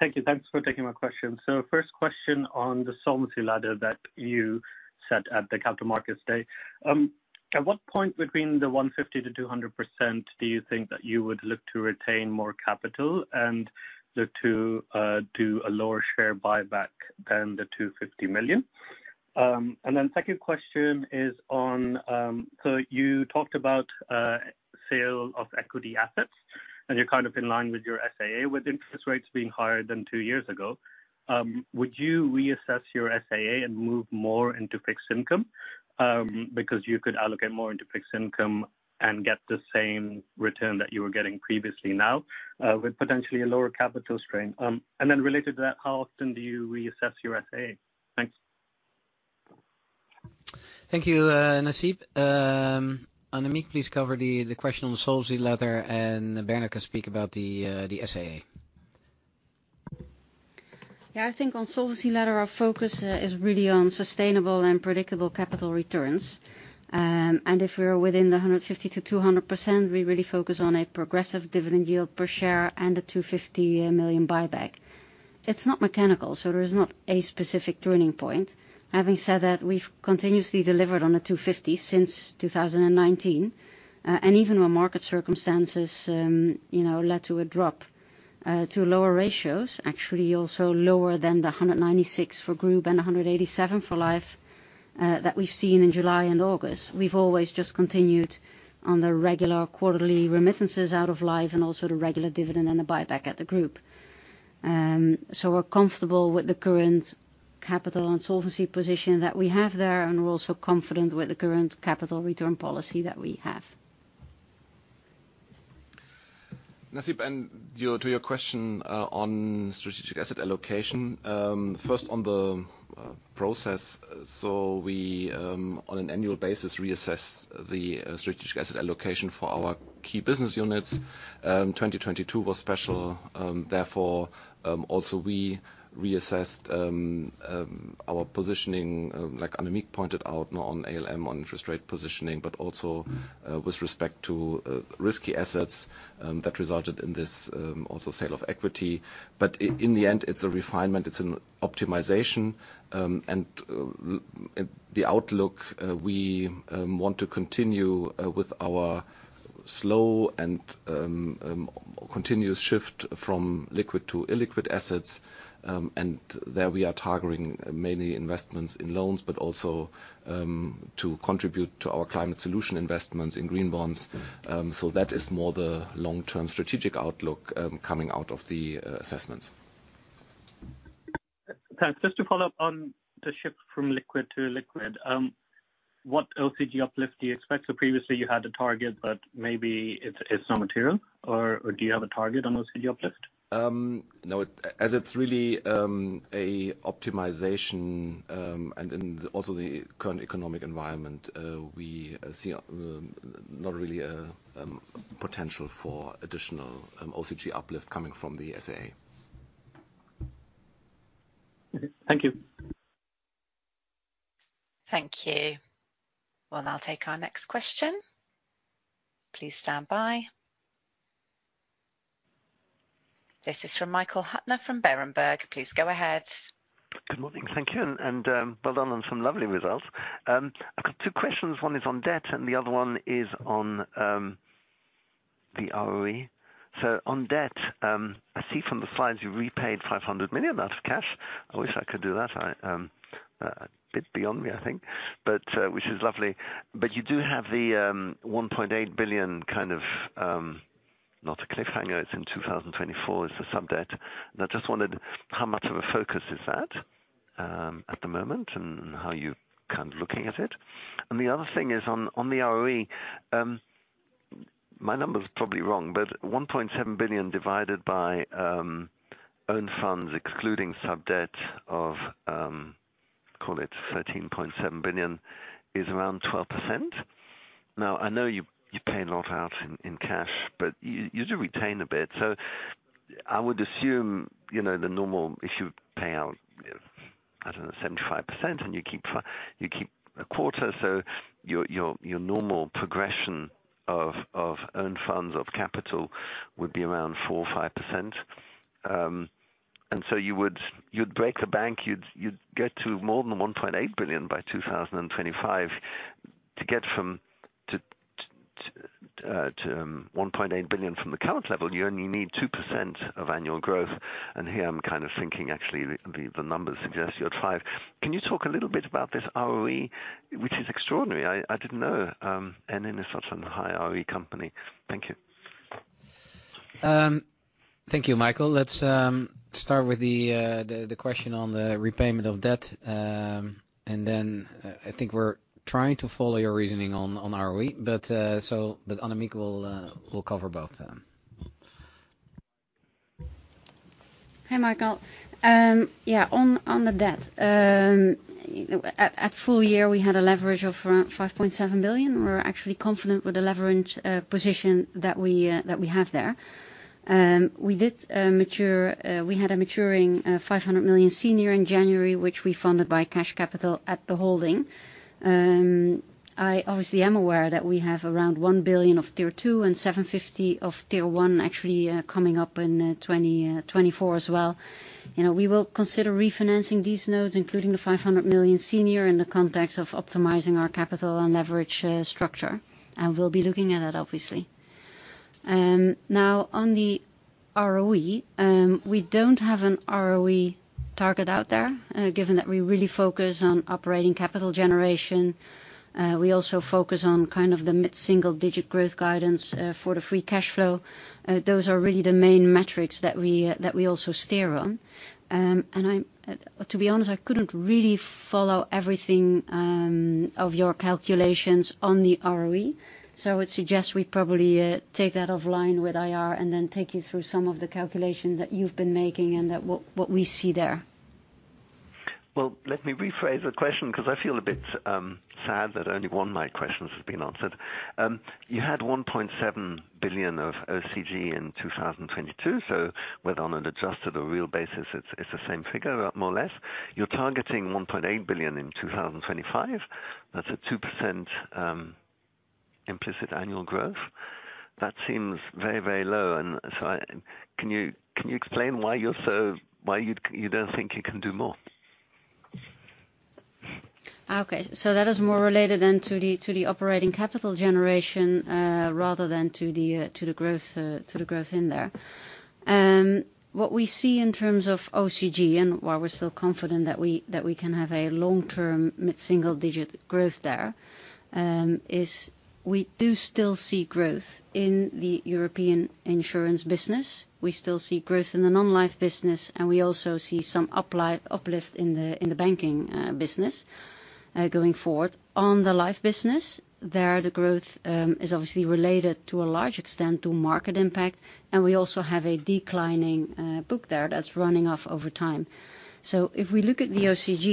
Thank you. Thanks for taking my question. First question on the solvency ladder that you set at the Capital Markets Day. At what point between the 150%-200% do you think that you would look to retain more capital and look to do a lower share buyback than the 250 million? Second question is on. You talked about sale of equity assets, and you're kind of in line with your SAA with interest rates being higher than 2 years ago. Would you reassess your SAA and move more into fixed income, because you could allocate more into fixed income and get the same return that you were getting previously now, with potentially a lower capital strain? Related to that, how often do you reassess your SAA? Thanks. Thank you, Nasib. Annemieke, please cover the question on the solvency ladder, and Bernhard can speak about the SAA. Yeah, I think on Solvency letter, our focus is really on sustainable and predictable capital returns. If we're within the 150%-200%, we really focus on a progressive dividend yield per share and a 250 million buyback. It's not mechanical, so there is not a specific turning point. Having said that, we've continuously delivered on the 250 since 2019. Even when market circumstances, you know, led to a drop to lower ratios, actually also lower than the 196% for Group and 187% for Life that we've seen in July and August. We've always just continued on the regular quarterly remittances out of Life and also the regular dividend and the buyback at the Group. We're comfortable with the current capital and solvency position that we have there, and we're also confident with the current capital return policy that we have. Nasib, to your question on strategic asset allocation. First on the process. We on an annual basis reassess the strategic asset allocation for our key business units. 2022 was special, therefore, also we reassessed our positioning, like Annemieke pointed out, not on ALM, on interest rate positioning, but also with respect to risky assets, that resulted in this also sale of equity. In the end, it's a refinement, it's an optimization. The outlook, we want to continue with our slow and continuous shift from liquid to illiquid assets. There we are targeting mainly investments in loans, but also to contribute to our climate solution investments in green bonds. That is more the long-term strategic outlook, coming out of the assessments. Thanks. Just to follow up on the shift from liquid to illiquid. What OCG uplift do you expect? Previously you had a target, but maybe it's not material, or do you have a target on OCG uplift? No, as it's really a optimization, and then also the current economic environment, we see not really a potential for additional OCG uplift coming from the SAA. Okay. Thank you. Thank you. We'll now take our next question. Please stand by. This is from Michael Huttner from Berenberg. Please go ahead. Good morning. Thank you. Well done on some lovely results. I've got two questions. One is on debt and the other one is on the ROE. On debt, I see from the slides you repaid 500 million. That's cash. I wish I could do that. I a bit beyond me, I think. Which is lovely. You do have the 1.8 billion kind of not a cliffhanger, it's in 2024. It's a sub-debt. I just wondered how much of a focus is that at the moment, and how you're kind of looking at it. The other thing is on the ROE, my number's probably wrong, but 1.7 billion divided by owned funds excluding sub-debt of, call it 13.7 billion is around 12%. Now, I know you pay a lot out in cash, but you do retain a bit. I would assume, you know, the normal, if you pay out, I don't know, 75% and you keep a quarter, so your normal progression of earned funds, of capital would be around 4% or 5%. You'd break a bank, you'd get to more than 1.8 billion by 2025. To get from, to 1.8 billion from the count level, you only need 2% of annual growth. Here I'm kind of thinking actually the numbers suggest you're at 5. Can you talk a little bit about this ROE, which is extraordinary? I didn't know NN is such a high ROE company. Thank you. Thank you, Michael. Let's start with the question on the repayment of debt. Then I think we're trying to follow your reasoning on ROE. Annemieke will cover both of them. Hi, Michael. Yeah, on the debt. At full year, we had a leverage of around 5.7 billion. We're actually confident with the leverage position that we have there. We had a maturing 500 million senior in January, which we funded by cash capital at the holding. I obviously am aware that we have around 1 billion of tier two and 750 million of tier one actually coming up in 2024 as well. You know, we will consider refinancing these notes, including the 500 million senior in the context of optimizing our capital and leverage structure. We'll be looking at that obviously. Now on the ROE, we don't have an ROE target out there, given that we really focus on operating capital generation. We also focus on kind of the mid-single digit growth guidance for the free cash flow. Those are really the main metrics that we also steer on. I'm to be honest, I couldn't really follow everything of your calculations on the ROE. I would suggest we probably take that offline with IR, then take you through some of the calculations that you've been making what we see there. Well, let me rephrase the question 'cause I feel a bit sad that only one of my questions has been answered. You had 1.7 billion of OCG in 2022, so whether on an adjusted or real basis, it's the same figure, more or less. You're targeting 1.8 billion in 2025. That's a 2% implicit annual growth. That seems very, very low. Can you explain why you don't think you can do more? That is more related then to the operating capital generation, rather than to the growth in there. What we see in terms of OCG and why we're still confident that we can have a long-term mid-single digit growth there, is we do still see growth in the European insurance business. We still see growth in the non-life business, and we also see some uplift in the banking business going forward. On the life business, there, the growth is obviously related to a large extent to market impact, and we also have a declining book there that's running off over time. If we look at the OCG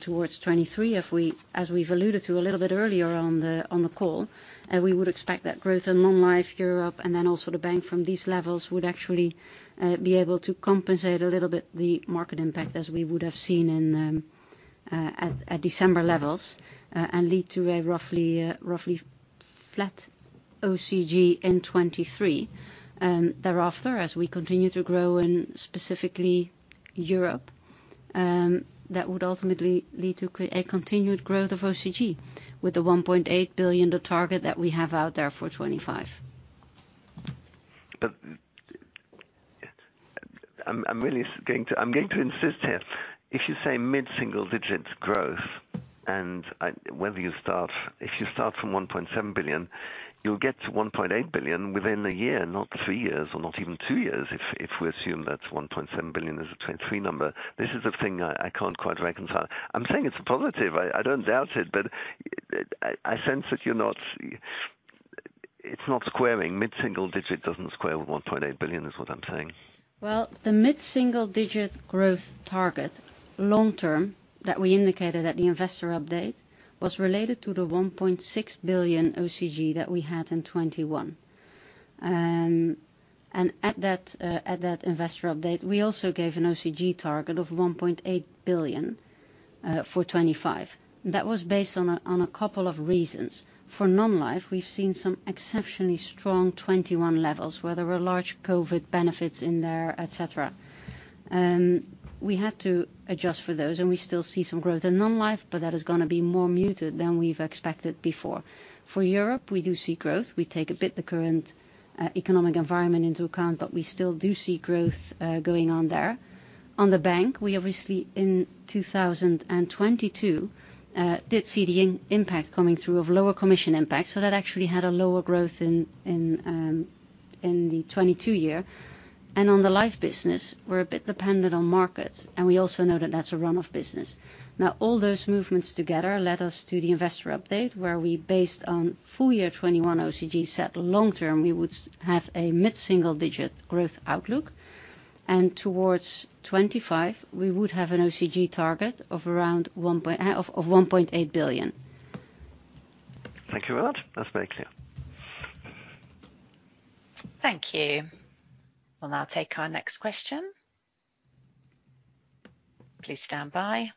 towards 2023, as we've alluded to a little bit earlier on the call, we would expect that growth in non-life Europe and then also the Bank from these levels would actually be able to compensate a little bit the market impact as we would have seen in the December levels and lead to a roughly flat OCG in 2023. Thereafter, as we continue to grow in specifically Europe, that would ultimately lead to a continued growth of OCG with the 1.8 billion, the target that we have out there for 2025. I'm really going to insist here. If you say mid-single digit growth, whether you start, if you start from 1.7 billion, you'll get to 1.8 billion within a year, not three years or not even two years, if we assume that 1.7 billion is a 2023 number. This is the thing I can't quite reconcile. I'm saying it's positive. I don't doubt it, but I sense that you're not. It's not squaring. Mid-single digit doesn't square with 1.8 billion is what I'm saying. Well, the mid-single digit growth target long-term that we indicated at the investor update was related to the 1.6 billion OCG that we had in 2021. At that investor update, we also gave an OCG target of 1.8 billion for 2025. That was based on a couple of reasons. For non-life, we've seen some exceptionally strong 2021 levels where there were large COVID benefits in there, et cetera. We had to adjust for those, and we still see some growth in non-life, but that is gonna be more muted than we've expected before. For Europe, we do see growth. We take a bit the current economic environment into account, but we still do see growth going on there. On the bank, we obviously in 2022 did see the impact coming through of lower commission impact. That actually had a lower growth in the 2022 year. On the life business, we're a bit dependent on markets, and we also know that that's a run of business. All those movements together led us to the investor update where we based on full year 2021 OCG set long-term, we would have a mid-single digit growth outlook. Towards 2025, we would have an OCG target of around 1.8 billion. Thank you for that. That's very clear. Thank you. We'll now take our next question. Please stand by.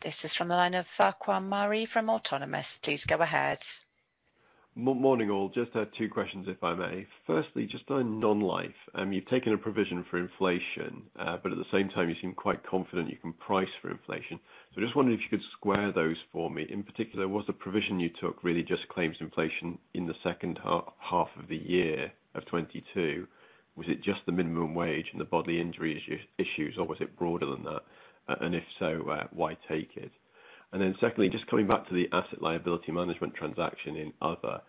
This is from the line of Farquhar Murray from Autonomous. Please go ahead. Morning, all. Just have two questions, if I may. Firstly, just on Non-life, you've taken a provision for inflation, but at the same time you seem quite confident you can price for inflation. I just wondered if you could square those for me. In particular, was the provision you took really just claims inflation in the second half of the year of 2022? Was it just the minimum wage and the bodily injury issues, or was it broader than that? If so, why take it? Secondly, just coming back to the asset liability management transaction in other,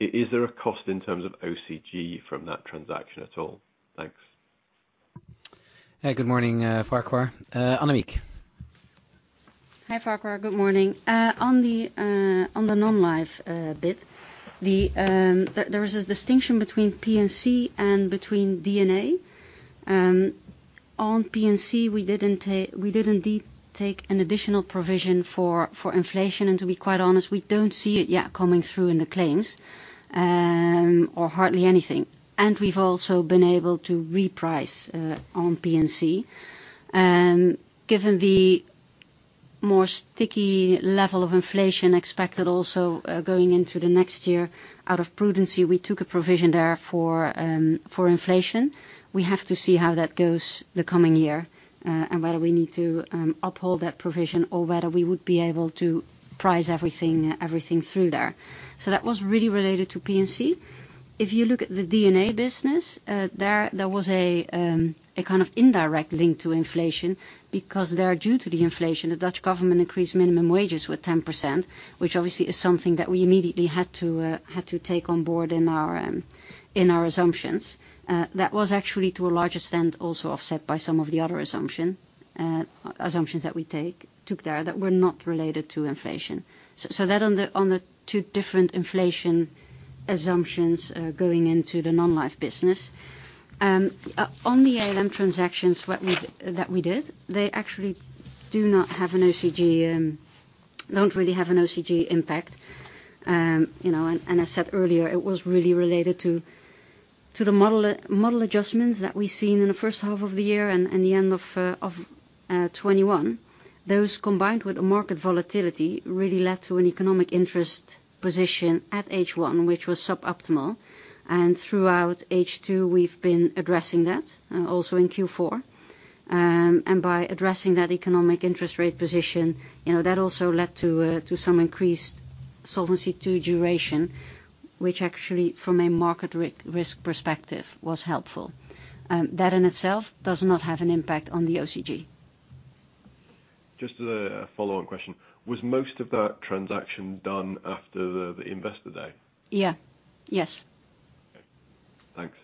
is there a cost in terms of OCG from that transaction at all? Thanks. Hey, good morning, Farquhar. Annemieke. Hi, Farquhar. Good morning. on the non-life bit, the there was this distinction between P&C and between D&A. on P&C, we did indeed take an additional provision for inflation. To be quite honest, we don't see it yet coming through in the claims, or hardly anything. We've also been able to reprice on P&C. given the more sticky level of inflation expected also going into the next year, out of prudency, we took a provision there for inflation. We have to see how that goes the coming year, and whether we need to uphold that provision or whether we would be able to price everything through there. That was really related to P&C. If you look at the D&A business, there was a kind of indirect link to inflation because there, due to the inflation, the Dutch government increased minimum wages with 10%, which obviously is something that we immediately had to take on board in our in our assumptions. That was actually to a large extent also offset by some of the other assumptions that we took there that were not related to inflation. So that on the, on the two different inflation Assumptions, going into the non-life business. On the ALM transactions that we did, they actually do not have an OCG, don't really have an OCG impact. You know, I said earlier, it was really related to the model adjustments that we've seen in the first half of the year and the end of 2021. Those combined with the market volatility really led to an economic interest position at H1, which was suboptimal. Throughout H2 we've been addressing that also in Q4. By addressing that economic interest rate position, you know, that also led to some increased solvency to duration, which actually from a market risk perspective was helpful. That in itself does not have an impact on the OCG. Just as a follow-on question, was most of that transaction done after the investor day? Yeah. Yes. Okay, thanks.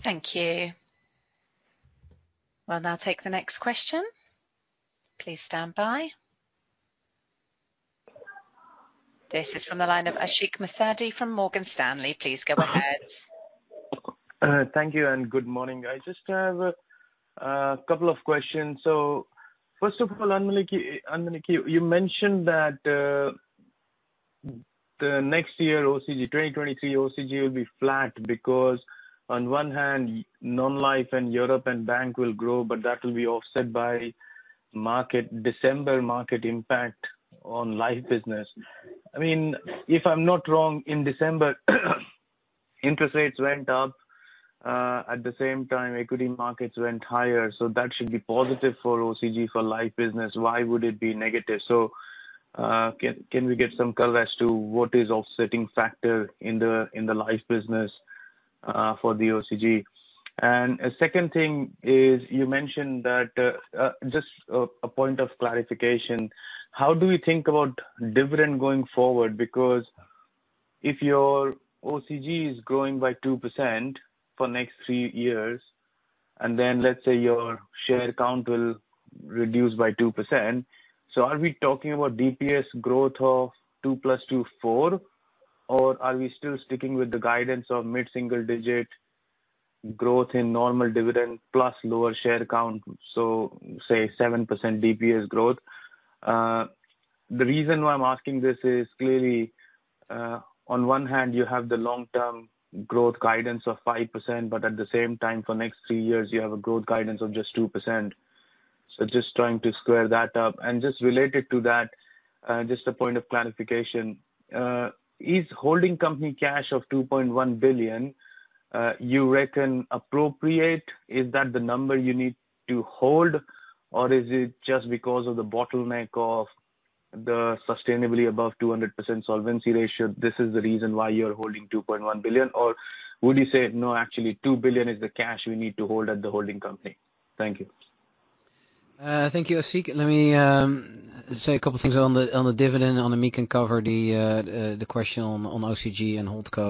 Thank you. We'll now take the next question. Please stand by. This is from the line of Ashik Musaddi from Morgan Stanley. Please go ahead. Thank you and good morning. I just have a couple of questions. First of all, Annemieke, you mentioned that the next year OCG, 2023 OCG will be flat because on one hand, Non-life and Europe and bank will grow, but that will be offset by market, December market impact on Life business. I mean, if I'm not wrong, in December, interest rates went up, at the same time equity markets went higher. That should be positive for OCG, for Life business. Why would it be negative? Can we get some color as to what is offsetting factor in the Life business for the OCG? A second thing is you mentioned that, just a point of clarification, how do you think about dividend going forward? Because if your OCG is growing by 2% for next three years, let's say your share count will reduce by 2%, are we talking about DPS growth of 2 plus 2, 4? Are we still sticking with the guidance of mid-single digit growth in normal dividend plus lower share count, say 7% DPS growth? The reason why I'm asking this is clearly, on one hand you have the long-term growth guidance of 5%, but at the same time for next three years, you have a growth guidance of just 2%. Just trying to square that up. Just related to that, just a point of clarification, is holding company cash of 2.1 billion, you reckon appropriate? Is that the number you need to hold or is it just because of the bottleneck of the sustainably above 200% solvency ratio? This is the reason why you're holding 2.1 billion or would you say no, actually 2 billion is the cash we need to hold at the holding company? Thank you. Thank you, Ashik. Let me say a couple things on the dividend. Annemieke can cover the question on OCG and HoldCo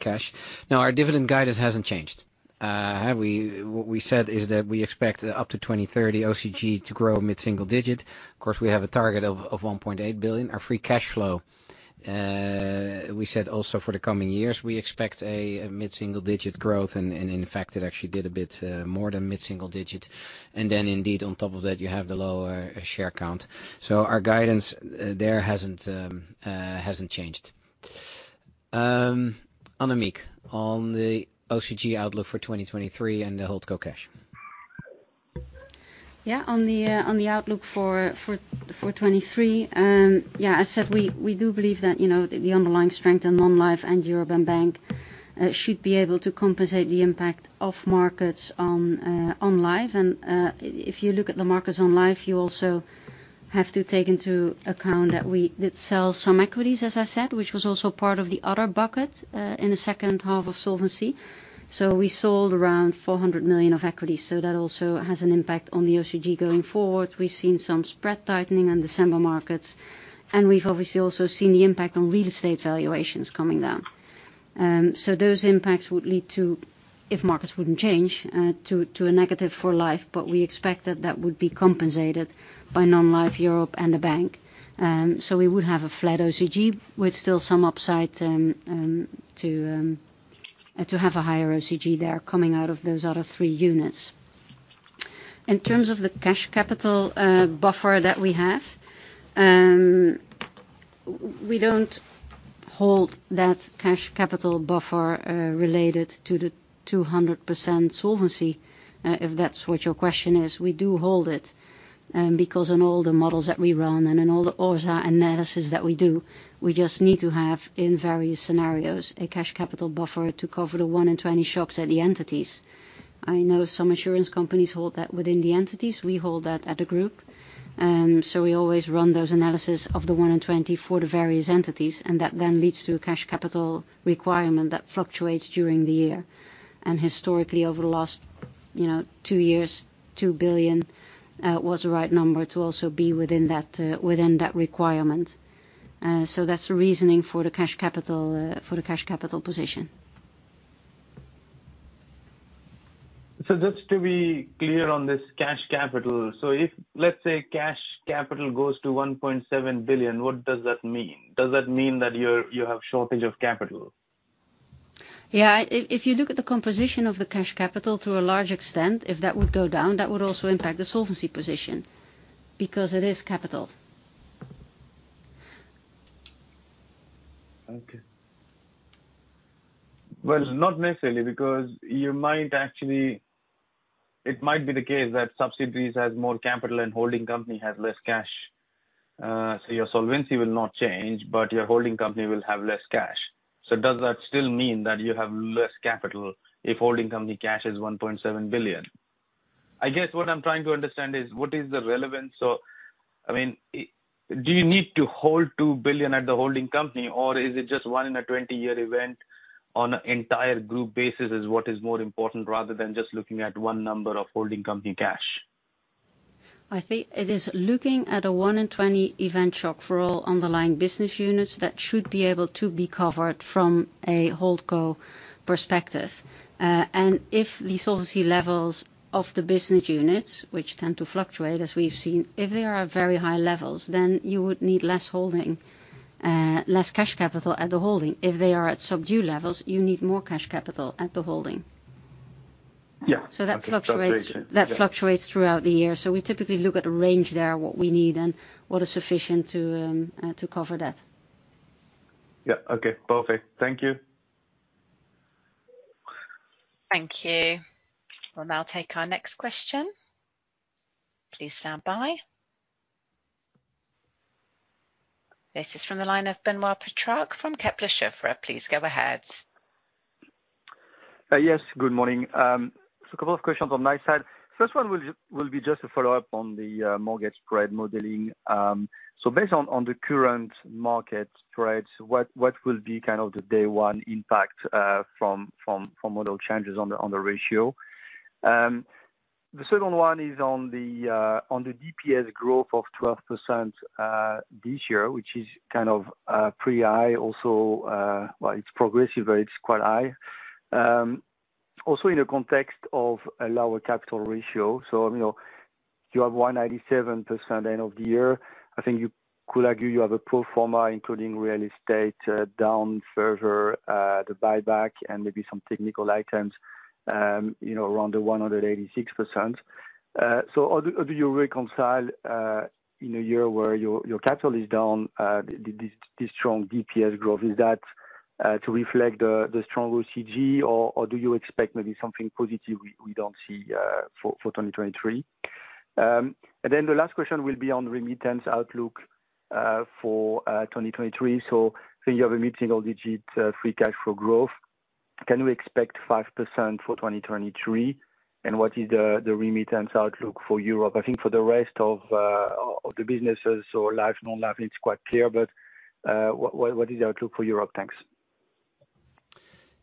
cash. Our dividend guidance hasn't changed. We, what we said is that we expect up to 2030 OCG to grow mid-single digit. Of course, we have a target of 1.8 billion. Our free cash flow, we said also for the coming years, we expect a mid-single digit growth and in fact it actually did a bit more than mid-single digit. Indeed on top of that you have the lower share count. Our guidance there hasn't changed. Annemieke, on the OCG outlook for 2023 and the HoldCo cash. Yeah. On the outlook for 2023, yeah, I said we do believe that, you know, the underlying strength in Non-life and Europe and Bank, should be able to compensate the impact of markets on life. If you look at the markets on life, you also have to take into account that we did sell some equities, as I said, which was also part of the other bucket, in the second half of Solvency. We sold around 400 million of equity. That also has an impact on the OCG going forward. We've seen some spread tightening on December markets. We've obviously also seen the impact on real estate valuations coming down. Those impacts would lead to, if markets wouldn't change, a negative for life, but we expect that that would be compensated by non-life Europe and the bank. We would have a flat OCG with still some upside to have a higher OCG there coming out of those other three units. In terms of the cash capital buffer that we have, we don't hold that cash capital buffer related to the 200% solvency, if that's what your question is. We do hold it because on all the models that we run and in all the ORSA analysis that we do, we just need to have in various scenarios a cash capital buffer to cover the 1 in 20 shocks at the entities. I know some insurance companies hold that within the entities. We hold that at the group. We always run those analysis of the 1 in 20 for the various entities, and that then leads to a cash capital requirement that fluctuates during the year. Historically over the last, you know, 2 years, 2 billion, was the right number to also be within that, within that requirement. That's the reasoning for the cash capital, for the cash capital position. Just to be clear on this cash capital, so if, let's say cash capital goes to 1.7 billion, what does that mean? Does that mean that you're, you have shortage of capital? If you look at the composition of the cash capital to a large extent, if that would go down, that would also impact the solvency position because it is capital. Okay. Well, not necessarily because you might actually. It might be the case that subsidiaries has more capital and holding company has less cash. Your solvency will not change, but your holding company will have less cash. Does that still mean that you have less capital if holding company cash is 1.7 billion? I guess what I'm trying to understand is what is the relevance or, I mean, do you need to hold 2 billion at the holding company or is it just one in a 20-year event on a entire group basis is what is more important rather than just looking at one number of holding company cash? I think it is looking at a 1 in 20 event shock for all underlying business units that should be able to be covered from a HoldCo perspective. If the solvency levels of the business units, which tend to fluctuate as we've seen, if they are at very high levels, then you would need less holding, less cash capital at the holding. If they are at subdued levels, you need more cash capital at the holding. Yeah. Okay. That fluctuates. That makes sense. Yeah. That fluctuates throughout the year. We typically look at a range there, what we need and what is sufficient to cover that. Yeah. Okay, perfect. Thank you. Thank you. We'll now take our next question. Please stand by. This is from the line of Benoît Pétrarque from Kepler Cheuvreux. Please go ahead. Yes. Good morning. Just a couple of questions on my side. First one will be just a follow-up on the mortgage spread modeling. Based on the current market spreads, what will be kind of the day one impact from model changes on the ratio? The second one is on the DPS growth of 12% this year, which is kind of pretty high also. Well, it's progressive, but it's quite high. Also in the context of a lower capital ratio. You know, you have 187% end of the year. I think you could argue you have a pro forma including real estate, down further, the buyback and maybe some technical items, you know, around the 186%. How do you reconcile in a year where your capital is down, this strong DPS growth? Is that to reflect the strong OCG or do you expect maybe something positive we don't see for 2023? Then the last question will be on remittance outlook for 2023. Say you have a mid-single digit free cash flow growth. Can we expect 5% for 2023? What is the remittance outlook for Europe? I think for the rest of the businesses or life, non-life, it's quite clear, but what is the outlook for Europe? Thanks.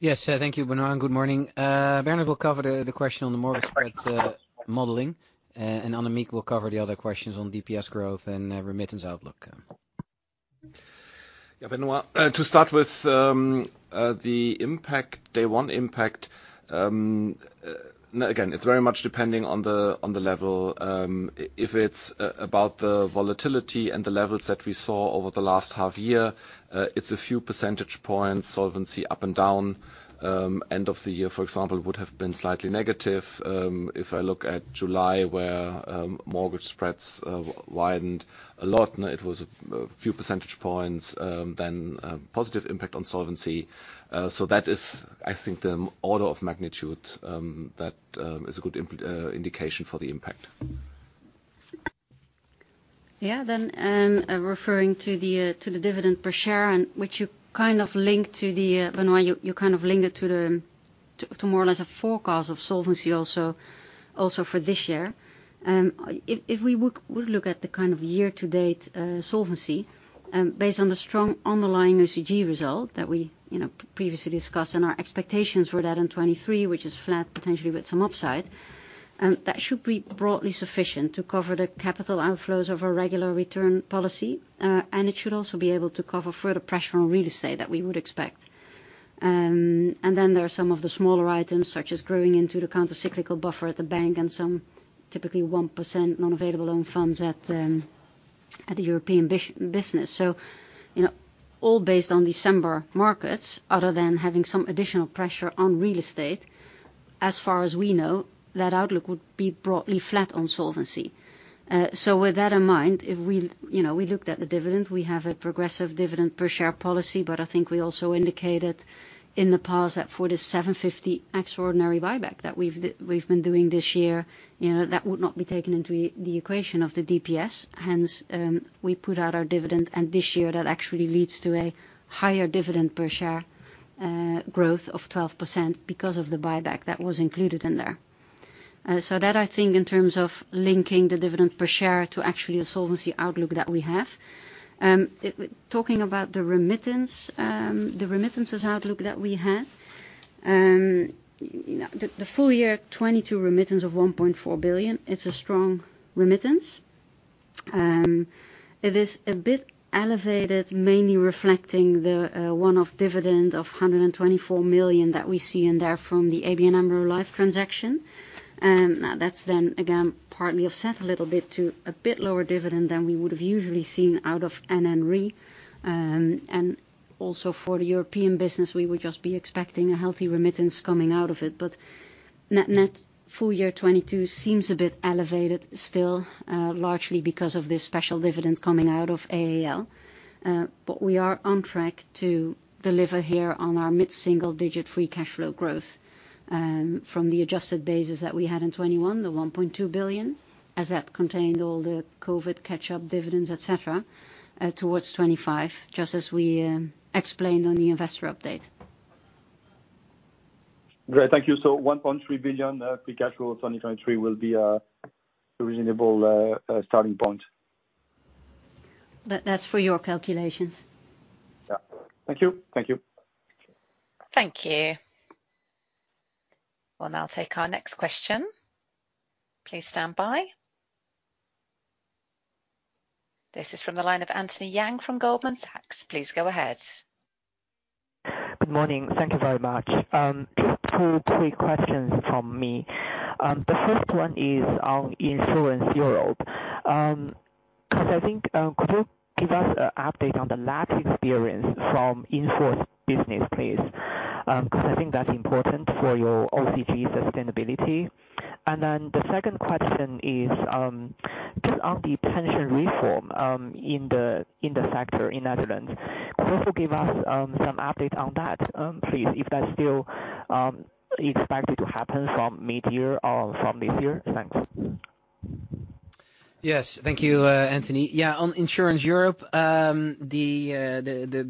Yes. Thank you, Benoît, and good morning. Bernhard will cover the question on the mortgage-. Sorry. -spread, modeling, and Annemieke will cover the other questions on DPS growth and remittance outlook. Yeah, Benoît, to start with, the impact, day one impact, again, it's very much depending on the, on the level. If it's about the volatility and the levels that we saw over the last half year, it's a few percentage points solvency up and down. End of the year, for example, would have been slightly negative. If I look at July where mortgage spreads widened a lot, and it was a few percentage points, then a positive impact on solvency. That is, I think, the order of magnitude that is a good indication for the impact. Yeah. Referring to the dividend per share and which you kind of link to the Benoît, you kind of linked it to the more or less a forecast of solvency also for this year. If we look at the kind of year to date solvency, based on the strong underlying OCG result that we, you know, previously discussed and our expectations for that in 23, which is flat potentially with some upside, that should be broadly sufficient to cover the capital outflows of our regular return policy. It should also be able to cover further pressure on real estate that we would expect. And then there are some of the smaller items such as growing into the countercyclical buffer at the bank and some typically 1% non-available loan funds at the European business, you know, all based on December markets other than having some additional pressure on real estate, as far as we know, that outlook would be broadly flat on solvency. With that in mind, if we, you know, we looked at the dividend, we have a progressive dividend per share policy, but I think we also indicated in the past that for the 750 extraordinary buyback that we've been doing this year, you know, that would not be taken into the equation of the DPS. We put out our dividend, and this year that actually leads to a higher dividend per share, growth of 12% because of the buyback that was included in there. That I think in terms of linking the dividend per share to actually the solvency outlook that we have. Talking about the remittance, the remittances outlook that we had, the full year 2022 remittance of 1.4 billion, it's a strong remittance. It is a bit elevated, mainly reflecting the one-off dividend of 124 million that we see in there from the ABN AMRO Life transaction. That's then again partly offset a little bit to a bit lower dividend than we would have usually seen out of NN Re. Also for the European business, we would just be expecting a healthy remittance coming out of it. Net, net full year 22 seems a bit elevated still, largely because of this special dividend coming out of AAL. We are on track to deliver here on our mid-single digit free cash flow growth from the adjusted basis that we had in 21, the 1.2 billion, as that contained all the COVID catch-up dividends, et cetera, towards 25, just as we explained on the investor update. Great. Thank you. 1.3 billion free cash flow 2023 will be a reasonable starting point. That's for your calculations. Yeah. Thank you. Thank you. Thank you. We'll now take our next question. Please stand by. This is from the line of Anthony Yang from Goldman Sachs. Please go ahead. Good morning. Thank you very much. Just two quick questions from me. The first one is on Insurance Europe. 'Cause I think, could you give us an update on the lapse experience from in-force business, please? 'Cause I think that's important for your OCG sustainability. The second question is just on the pension reform in the sector in Netherlands. Could you also give us some update on that, please, if that's still expected to happen from mid-year or from this year? Thanks. Yes. Thank you, Anthony. On Insurance Europe, the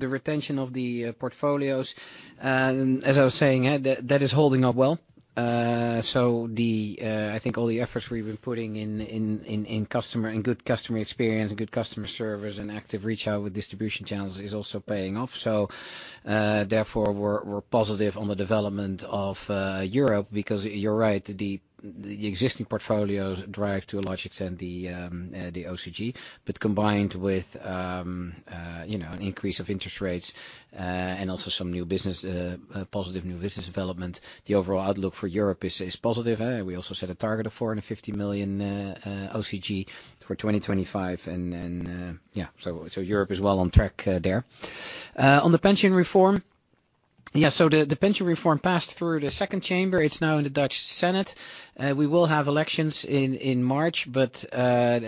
retention of the portfolios, as I was saying, that is holding up well. The, I think all the efforts we've been putting in customer and good customer experience and good customer service and active reach out with distribution channels is also paying off. Therefore, we're positive on the development of Europe because you're right, the existing portfolios drive to a large extent the OCG. Combined with, you know, an increase of interest rates, and also some new business, positive new business development, the overall outlook for Europe is positive. We also set a target of 450 million OCG for 2025. Then, yeah, so Europe is well on track there. On the pension reform. Yeah, so the pension reform passed through the second chamber. It's now in the Dutch Senate. We will have elections in March, but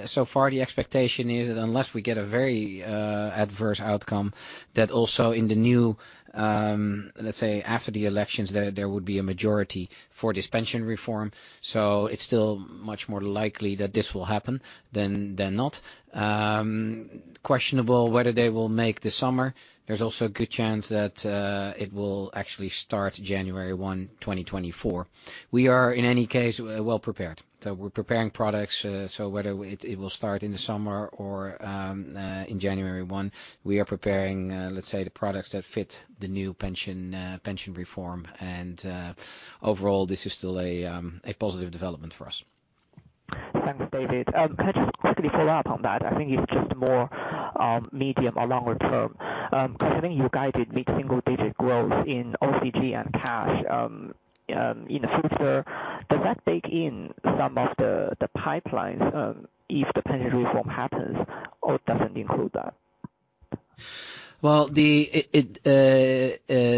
so far the expectation is that unless we get a very adverse outcome, that also in the new, let's say after the elections, there would be a majority for this pension reform. It's still much more likely that this will happen than not. Questionable whether they will make this summer. There's also a good chance that it will actually start January 1, 2024. We are, in any case, well prepared. We're preparing products. Whether it will start in the summer or in January 1, we are preparing, let's say, the products that fit the new pension reform. Overall, this is still a positive development for us. Thanks, David. Can I just quickly follow up on that? I think it's just more medium or longer term. Considering you guided mid-single digit growth in OCG and cash, in the future, does that bake in some of the pipelines, if the pension reform happens or it doesn't include that? Well, it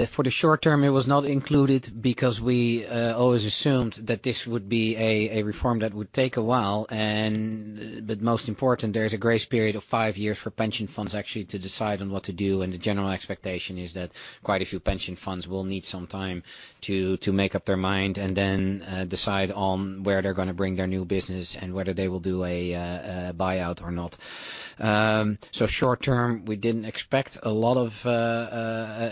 for the short term, it was not included because we always assumed that this would be a reform that would take a while. Most important, there is a grace period of five years for pension funds actually to decide on what to do. The general expectation is that quite a few pension funds will need some time to make up their mind and then decide on where they're going to bring their new business and whether they will do a buyout or not. Short term, we didn't expect a lot of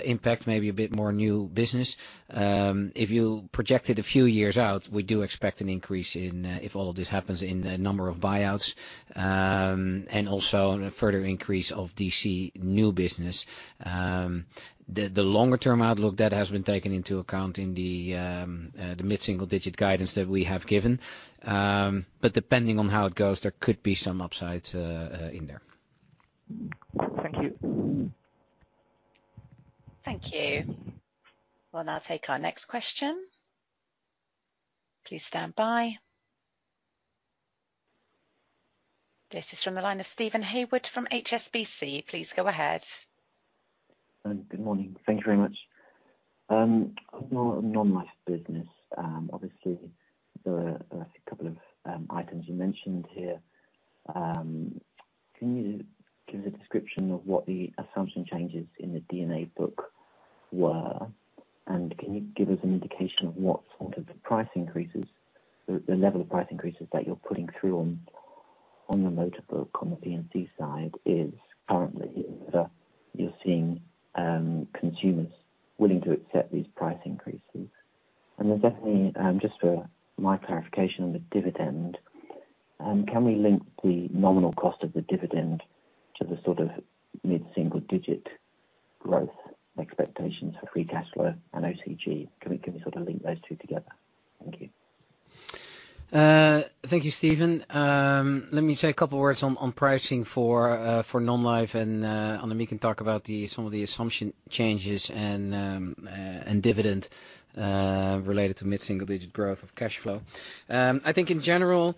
impact, maybe a bit more new business. If you project it a few years out, we do expect an increase in, if all of this happens, in the number of buyouts, and also in a further increase of DC new business. The longer term outlook, that has been taken into account in the mid-single digit guidance that we have given. Depending on how it goes, there could be some upsides in there. Thank you. Thank you. We'll now take our next question. Please stand by. This is from the line of Steven Haywood from HSBC. Please go ahead. Good morning. Thank you very much. On non-life business, obviously, there were a couple of, items you mentioned here. Can you give us a description of what the assumption changes in the D&A book were? Can you give us an indication of what sort of price increases, the level of price increases that you're putting through on the motor book on the P&C side is currently, whether you're seeing, consumers willing to accept these price increases? Definitely, just for my clarification on the dividend, can we link the nominal cost of the dividend? The sort of mid-single digit growth expectations for free cash flow and OCG. Can you sort of link those two together? Thank you. Thank you, Steven. Let me say a couple words on pricing for Non-life and then we can talk about the, some of the assumption changes and dividend related to mid-single digit growth of cash flow. I think in general,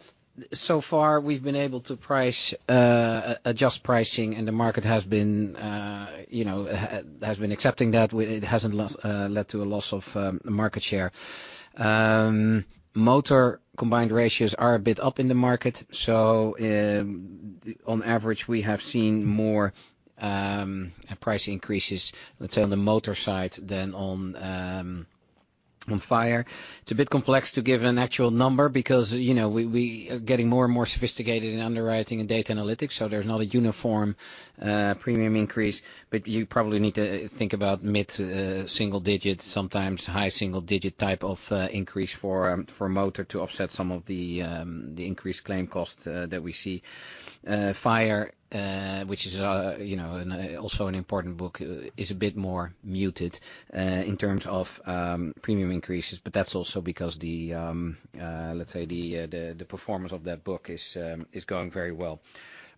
so far we've been able to adjust pricing, and the market has been, you know, accepting that. It hasn't led to a loss of market share. Motor combined ratios are a bit up in the market. On average, we have seen more price increases, let's say, on the motor side than on fire. It's a bit complex to give an actual number because, you know, we are getting more and more sophisticated in underwriting and data analytics, so there's not a uniform premium increase. You probably need to think about mid single digit, sometimes high single digit type of increase for motor to offset some of the increased claim costs that we see. Fire, which is, you know, also an important book, is a bit more muted in terms of premium increases. That's also because the, let's say the performance of that book is going very well.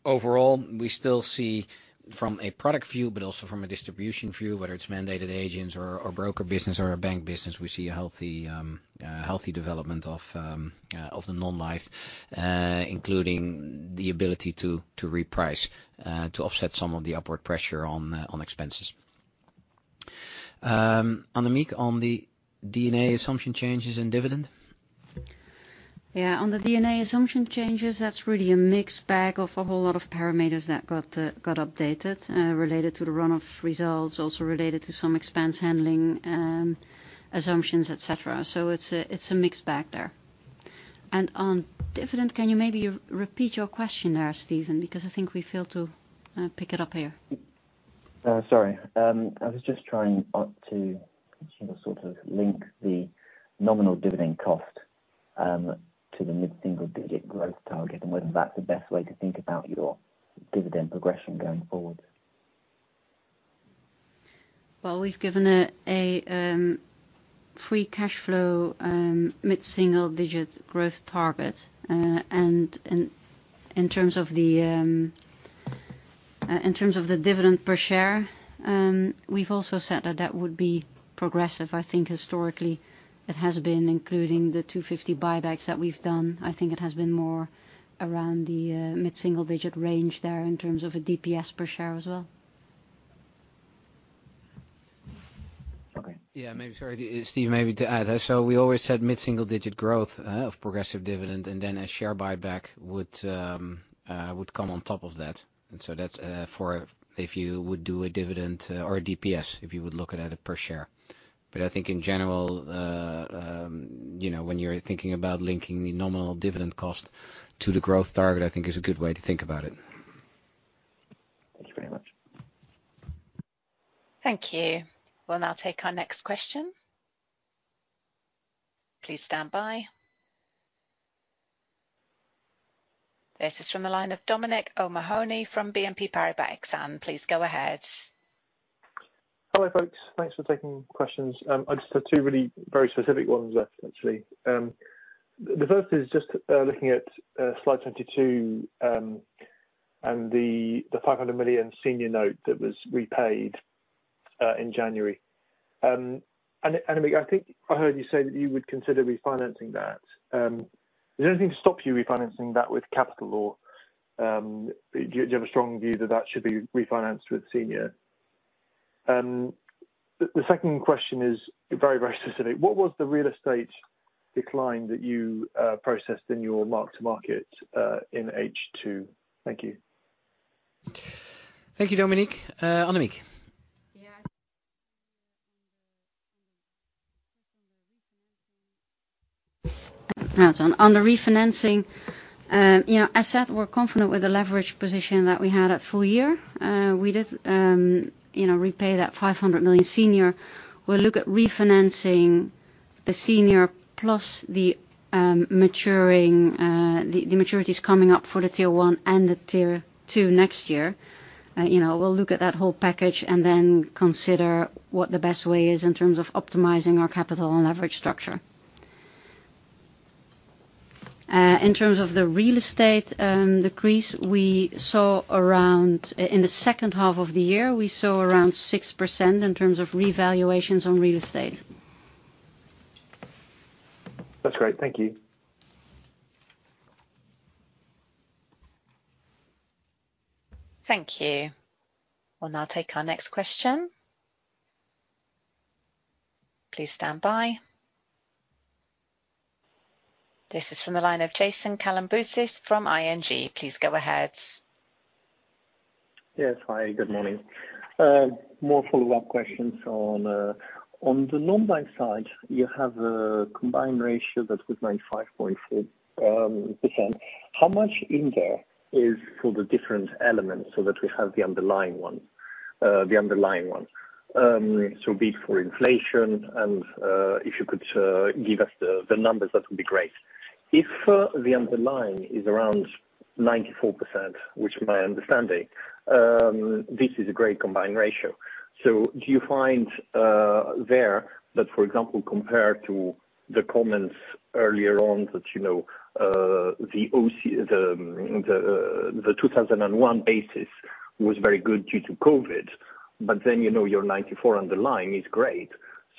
Overall, we still see from a product view, also from a distribution view, whether it's mandated agents or broker business or a bank business, we see a healthy development of the non-life, including the ability to reprice to offset some of the upward pressure on expenses. Annemieke, on the D&A assumption changes in dividend. Yeah. On the D&A assumption changes, that's really a mixed bag of a whole lot of parameters that got updated related to the run of results, also related to some expense handling assumptions, et cetera. It's a mixed bag there. On dividend, can you maybe repeat your question there, Steven? Because I think we failed to pick it up here. Sorry. I was just trying, to, you know, sort of link the nominal dividend cost, to the mid-single digit growth target, and whether that's the best way to think about your dividend progression going forward. Well, we've given a free cash flow mid-single digit growth target. In terms of the dividend per share, we've also said that that would be progressive. I think historically it has been, including the 250 buybacks that we've done. I think it has been more around the mid-single digit range there in terms of a DPS per share as well. Okay. Yeah, maybe. Sorry, Steve, maybe to add there. We always said mid-single digit growth of progressive dividend, and then a share buyback would come on top of that. That's for if you would do a dividend or a DPS, if you would look at it per share. I think in general, you know, when you're thinking about linking the nominal dividend cost to the growth target, I think is a good way to think about it. Thank you very much. Thank you. We'll now take our next question. Please stand by. This is from the line of Dominic O'Mahony from BNP Paribas Exane. Please go ahead. Hello, folks. Thanks for taking questions. I just have two really very specific ones left, actually. The first is just looking at slide 22, and the 500 million senior note that was repaid in January. I think I heard you say that you would consider refinancing that. Is there anything to stop you refinancing that with capital or do you have a strong view that that should be refinanced with senior? The second question is very, very specific. What was the real estate decline that you processed in your mark-to-market in H2? Thank you. Thank you, Dominic. Annemieke. On the refinancing, you know, as said, we're confident with the leverage position that we had at full year. We did, you know, repay that 500 million senior. We'll look at refinancing the senior plus the maturities coming up for the tier one and the tier two next year. You know, we'll look at that whole package and then consider what the best way is in terms of optimizing our capital and leverage structure. In terms of the real estate decrease, in the second half of the year, we saw around 6% in terms of revaluations on real estate. That's great. Thank you. Thank you. We'll now take our next question. Please stand by. This is from the line of Jason Kalamboussis from ING. Please go ahead. Hi, good morning. More follow-up questions on the non-bank side, you have a combined ratio that was 95.4%. How much in there is for the different elements, so that we have the underlying one? The underlying one. Before inflation and, if you could, give us the numbers, that would be great. If the underlying is around 94%, which my understanding, this is a great combined ratio. Do you find there that, for example, compared to the comments earlier on that, you know, the 2021 basis was very good due to COVID, but then, you know, your 94 underlying is great.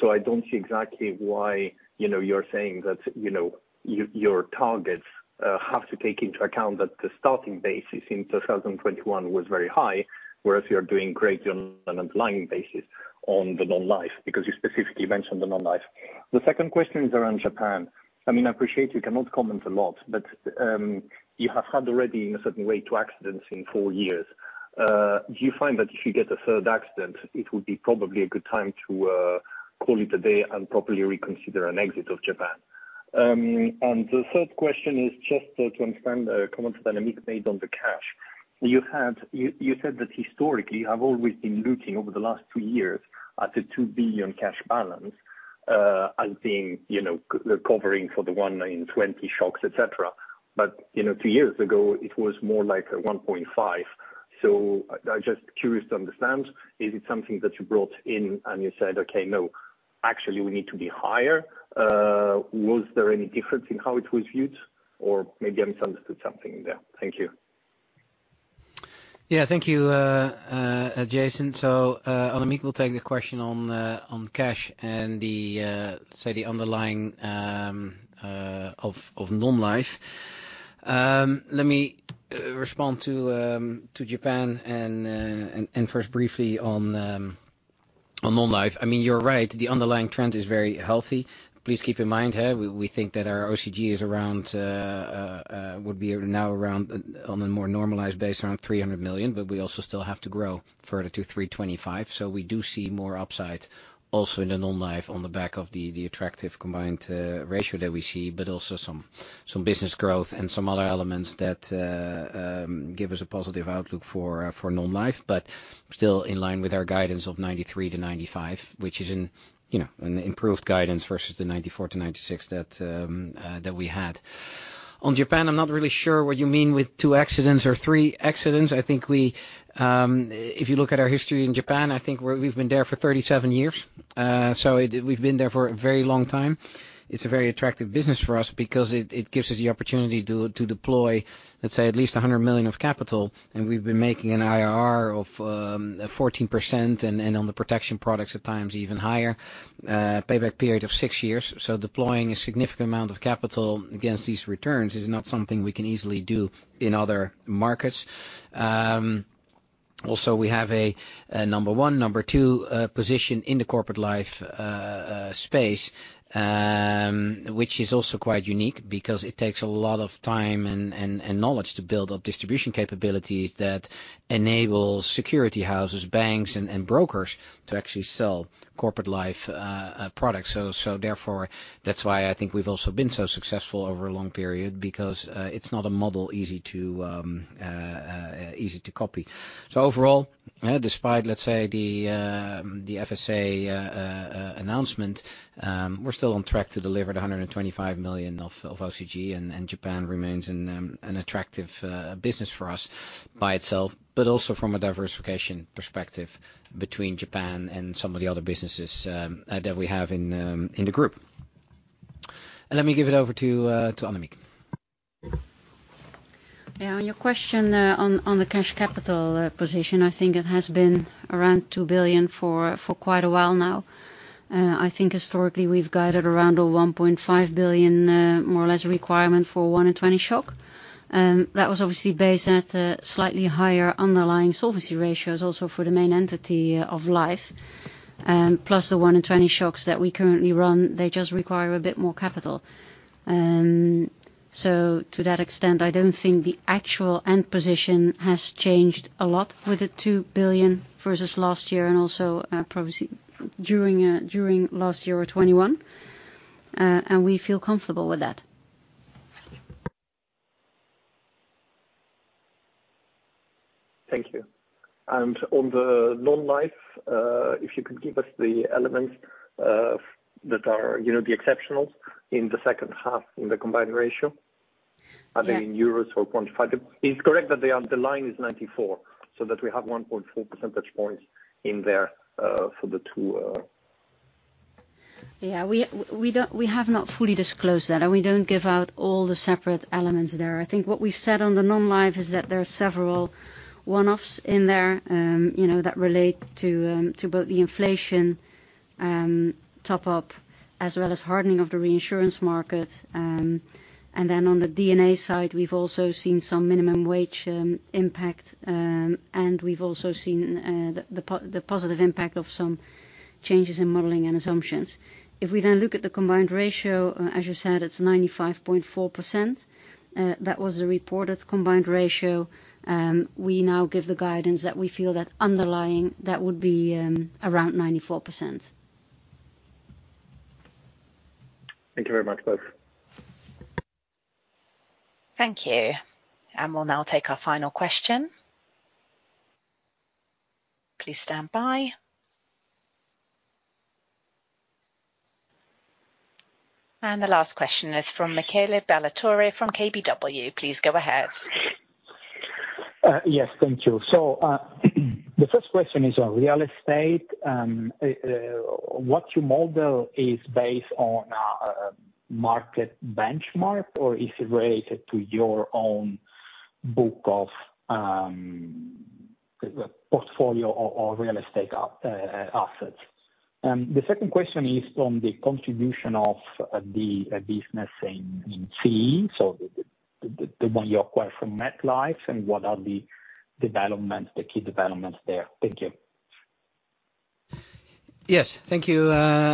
I don't see exactly why, you know, you're saying that, you know, your targets have to take into account that the starting base is in 2021 was very high, whereas you're doing great on an underlying basis on the Non-life because you specifically mentioned the Non-life. The second question is around Japan. I mean, I appreciate you cannot comment a lot, but you have had already, in a certain way, two accidents in four years. Do you find that if you get a third accident, it would be probably a good time to call it a day and probably reconsider an exit of Japan? The third question is just to understand comments that Annemieke made on the cash. You said that historically, you have always been looking over the last two years at a 2 billion cash balance as being, you know, covering for the 1 in 20 shocks, et cetera. You know, two years ago, it was more like 1.5 billion. I just curious to understand, is it something that you brought in and you said, "Okay, no, actually we need to be higher." Was there any difference in how it was viewed? Or maybe I misunderstood something there. Thank you. Yeah. Thank you, Jason. Annemieke will take the question on cash and the, say, the underlying of non-life. Let me respond to Japan and first briefly on non-life. I mean, you are right, the underlying trend is very healthy. Please keep in mind, yeah, we think that our OCG is around, would be now around on a more normalized base around 300 million, but we also still have to grow further to 325 million. We do see more upside also in the non-life on the back of the attractive combined ratio that we see, but also some business growth and some other elements that give us a positive outlook for non-life. Still in line with our guidance of 93-95, which is an, you know, an improved guidance versus the 94-96 that we had. On Japan, I'm not really sure what you mean with two accidents or three accidents. I think we, if you look at our history in Japan, I think we're, we've been there for 37 years. So we've been there for a very long time. It's a very attractive business for us because it gives us the opportunity to deploy, let's say, at least 100 million of capital. And we've been making an IRR of 14% and on the protection products, at times even higher. Payback period of 6 years. So deploying a significant amount of capital against these returns is not something we can easily do in other markets. Also, we have a number one, number two position in the corporate life space, which is also quite unique because it takes a lot of time and knowledge to build up distribution capabilities that enable security houses, banks and brokers to actually sell corporate life products. Therefore, that's why I think we've also been so successful over a long period because it's not a model easy to copy. Overall, yeah, despite, let's say, the FSA announcement, we're still on track to deliver the 125 million of OCG, and Japan remains an attractive business for us by itself, but also from a diversification perspective between Japan and some of the other businesses that we have in the Group. Let me give it over to Annemieke. Yeah. On your question, on the cash capital position, I think it has been around 2 billion for quite a while now. I think historically we've guided around a 1.5 billion more or less requirement for 1 in 20 shock. That was obviously based at a slightly higher underlying solvency ratios also for the main entity of life. Plus the 1 in 20 shocks that we currently run, they just require a bit more capital. So to that extent, I don't think the actual end position has changed a lot with the 2 billion versus last year and also, probably during last year or 2021. We feel comfortable with that. Thank you. On the non-life, if you could give us the elements, that are, you know, the exceptionals in the second half in the combined ratio? Yeah. Are they in euros or quantified? It's correct that the underlying is 94%, so that we have 1.4 percentage points in there, for the two. Yeah. We don't, we have not fully disclosed that, and we don't give out all the separate elements there. I think what we've said on the non-life is that there are several one-offs in there, you know, that relate to both the inflation top up as well as hardening of the reinsurance market. On the D&A side, we've also seen some minimum wage impact, and we've also seen the positive impact of some changes in modeling and assumptions. We look at the combined ratio, as you said, it's 95.4%. That was the reported combined ratio. We now give the guidance that we feel that underlying, that would be around 94%. Thank you very much both. Thank you. We'll now take our final question. Please stand by. The last question is from Michele Ballatore from KBW. Please go ahead. Yes, thank you. The first question is on real estate. What you model is based on a market benchmark, or is it related to your own book of portfolio or real estate assets? The second question is from the contribution of the business in CE, so the one you acquired from MetLife, and what are the developments, the key developments there? Thank you. Thank you,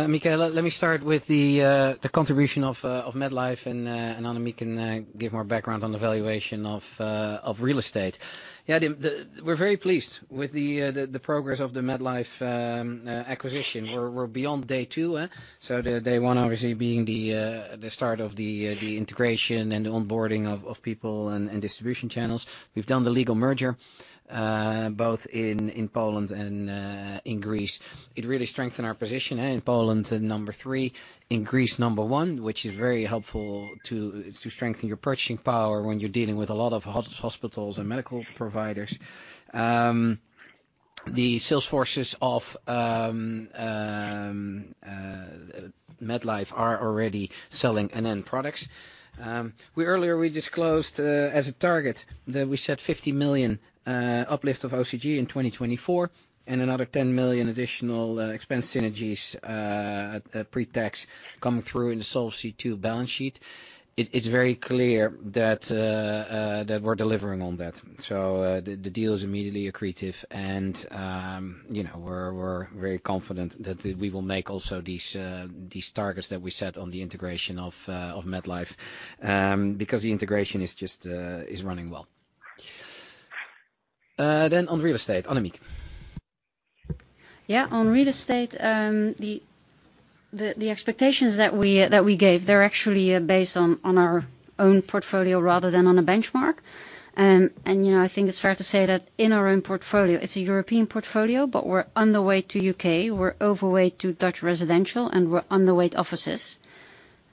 Michele. Let me start with the contribution of MetLife and Annemieke can give more background on the valuation of real estate. We're very pleased with the progress of the MetLife acquisition. We're beyond day two. The day one obviously being the start of the integration and onboarding of people and distribution channels. We've done the legal merger both in Poland and in Greece. It really strengthened our position in Poland to number three, in Greece number one, which is very helpful to strengthen your purchasing power when you're dealing with a lot of hospitals and medical providers. The sales forces of MetLife are already selling NN products. We earlier, we disclosed as a target that we set 50 million uplift of OCG in 2024 and another 10 million additional expense synergies pre-tax coming through in the Solvency II balance sheet. It's very clear that we're delivering on that. The deal is immediately accretive and, you know, we're very confident that we will make also these targets that we set on the integration of MetLife. Because the integration is just running well. On real estate, Annemieke. Yeah. On real estate, the expectations that we gave, they're actually based on our own portfolio rather than on a benchmark. You know, I think it's fair to say that in our own portfolio, it's a European portfolio, but we're underweight to U.K., we're overweight to Dutch residential, and we're underweight offices.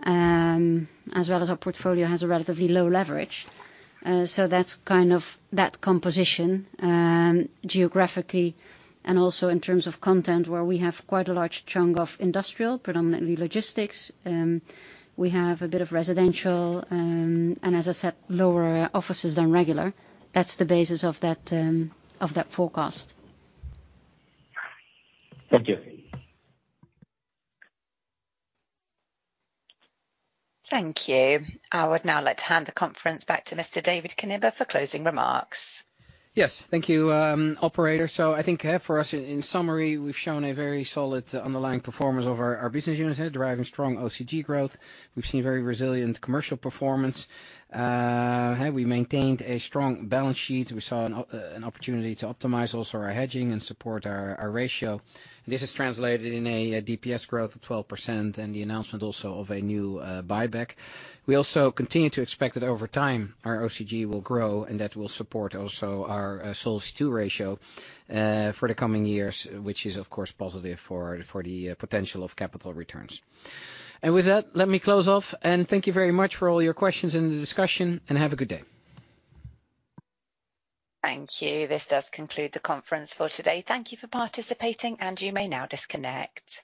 As well as our portfolio has a relatively low leverage. That's kind of that composition, geographically and also in terms of content, where we have quite a large chunk of industrial, predominantly logistics. We have a bit of residential, and as I said, lower offices than regular. That's the basis of that, of that forecast. Thank you. Thank you. I would now like to hand the conference back to Mr. David Knibbe for closing remarks. Yes. Thank you, operator. I think, yeah, for us, in summary, we've shown a very solid underlying performance of our business units, deriving strong OCG growth. We've seen very resilient commercial performance. We maintained a strong balance sheet. We saw an opportunity to optimize also our hedging and support our ratio. This is translated in a DPS growth of 12% and the announcement also of a new buyback. We also continue to expect that over time, our OCG will grow, and that will support also our Solvency II ratio for the coming years, which is of course positive for the potential of capital returns. With that, let me close off and thank you very much for all your questions in the discussion and have a good day. Thank you. This does conclude the conference for today. Thank you for participating. You may now disconnect.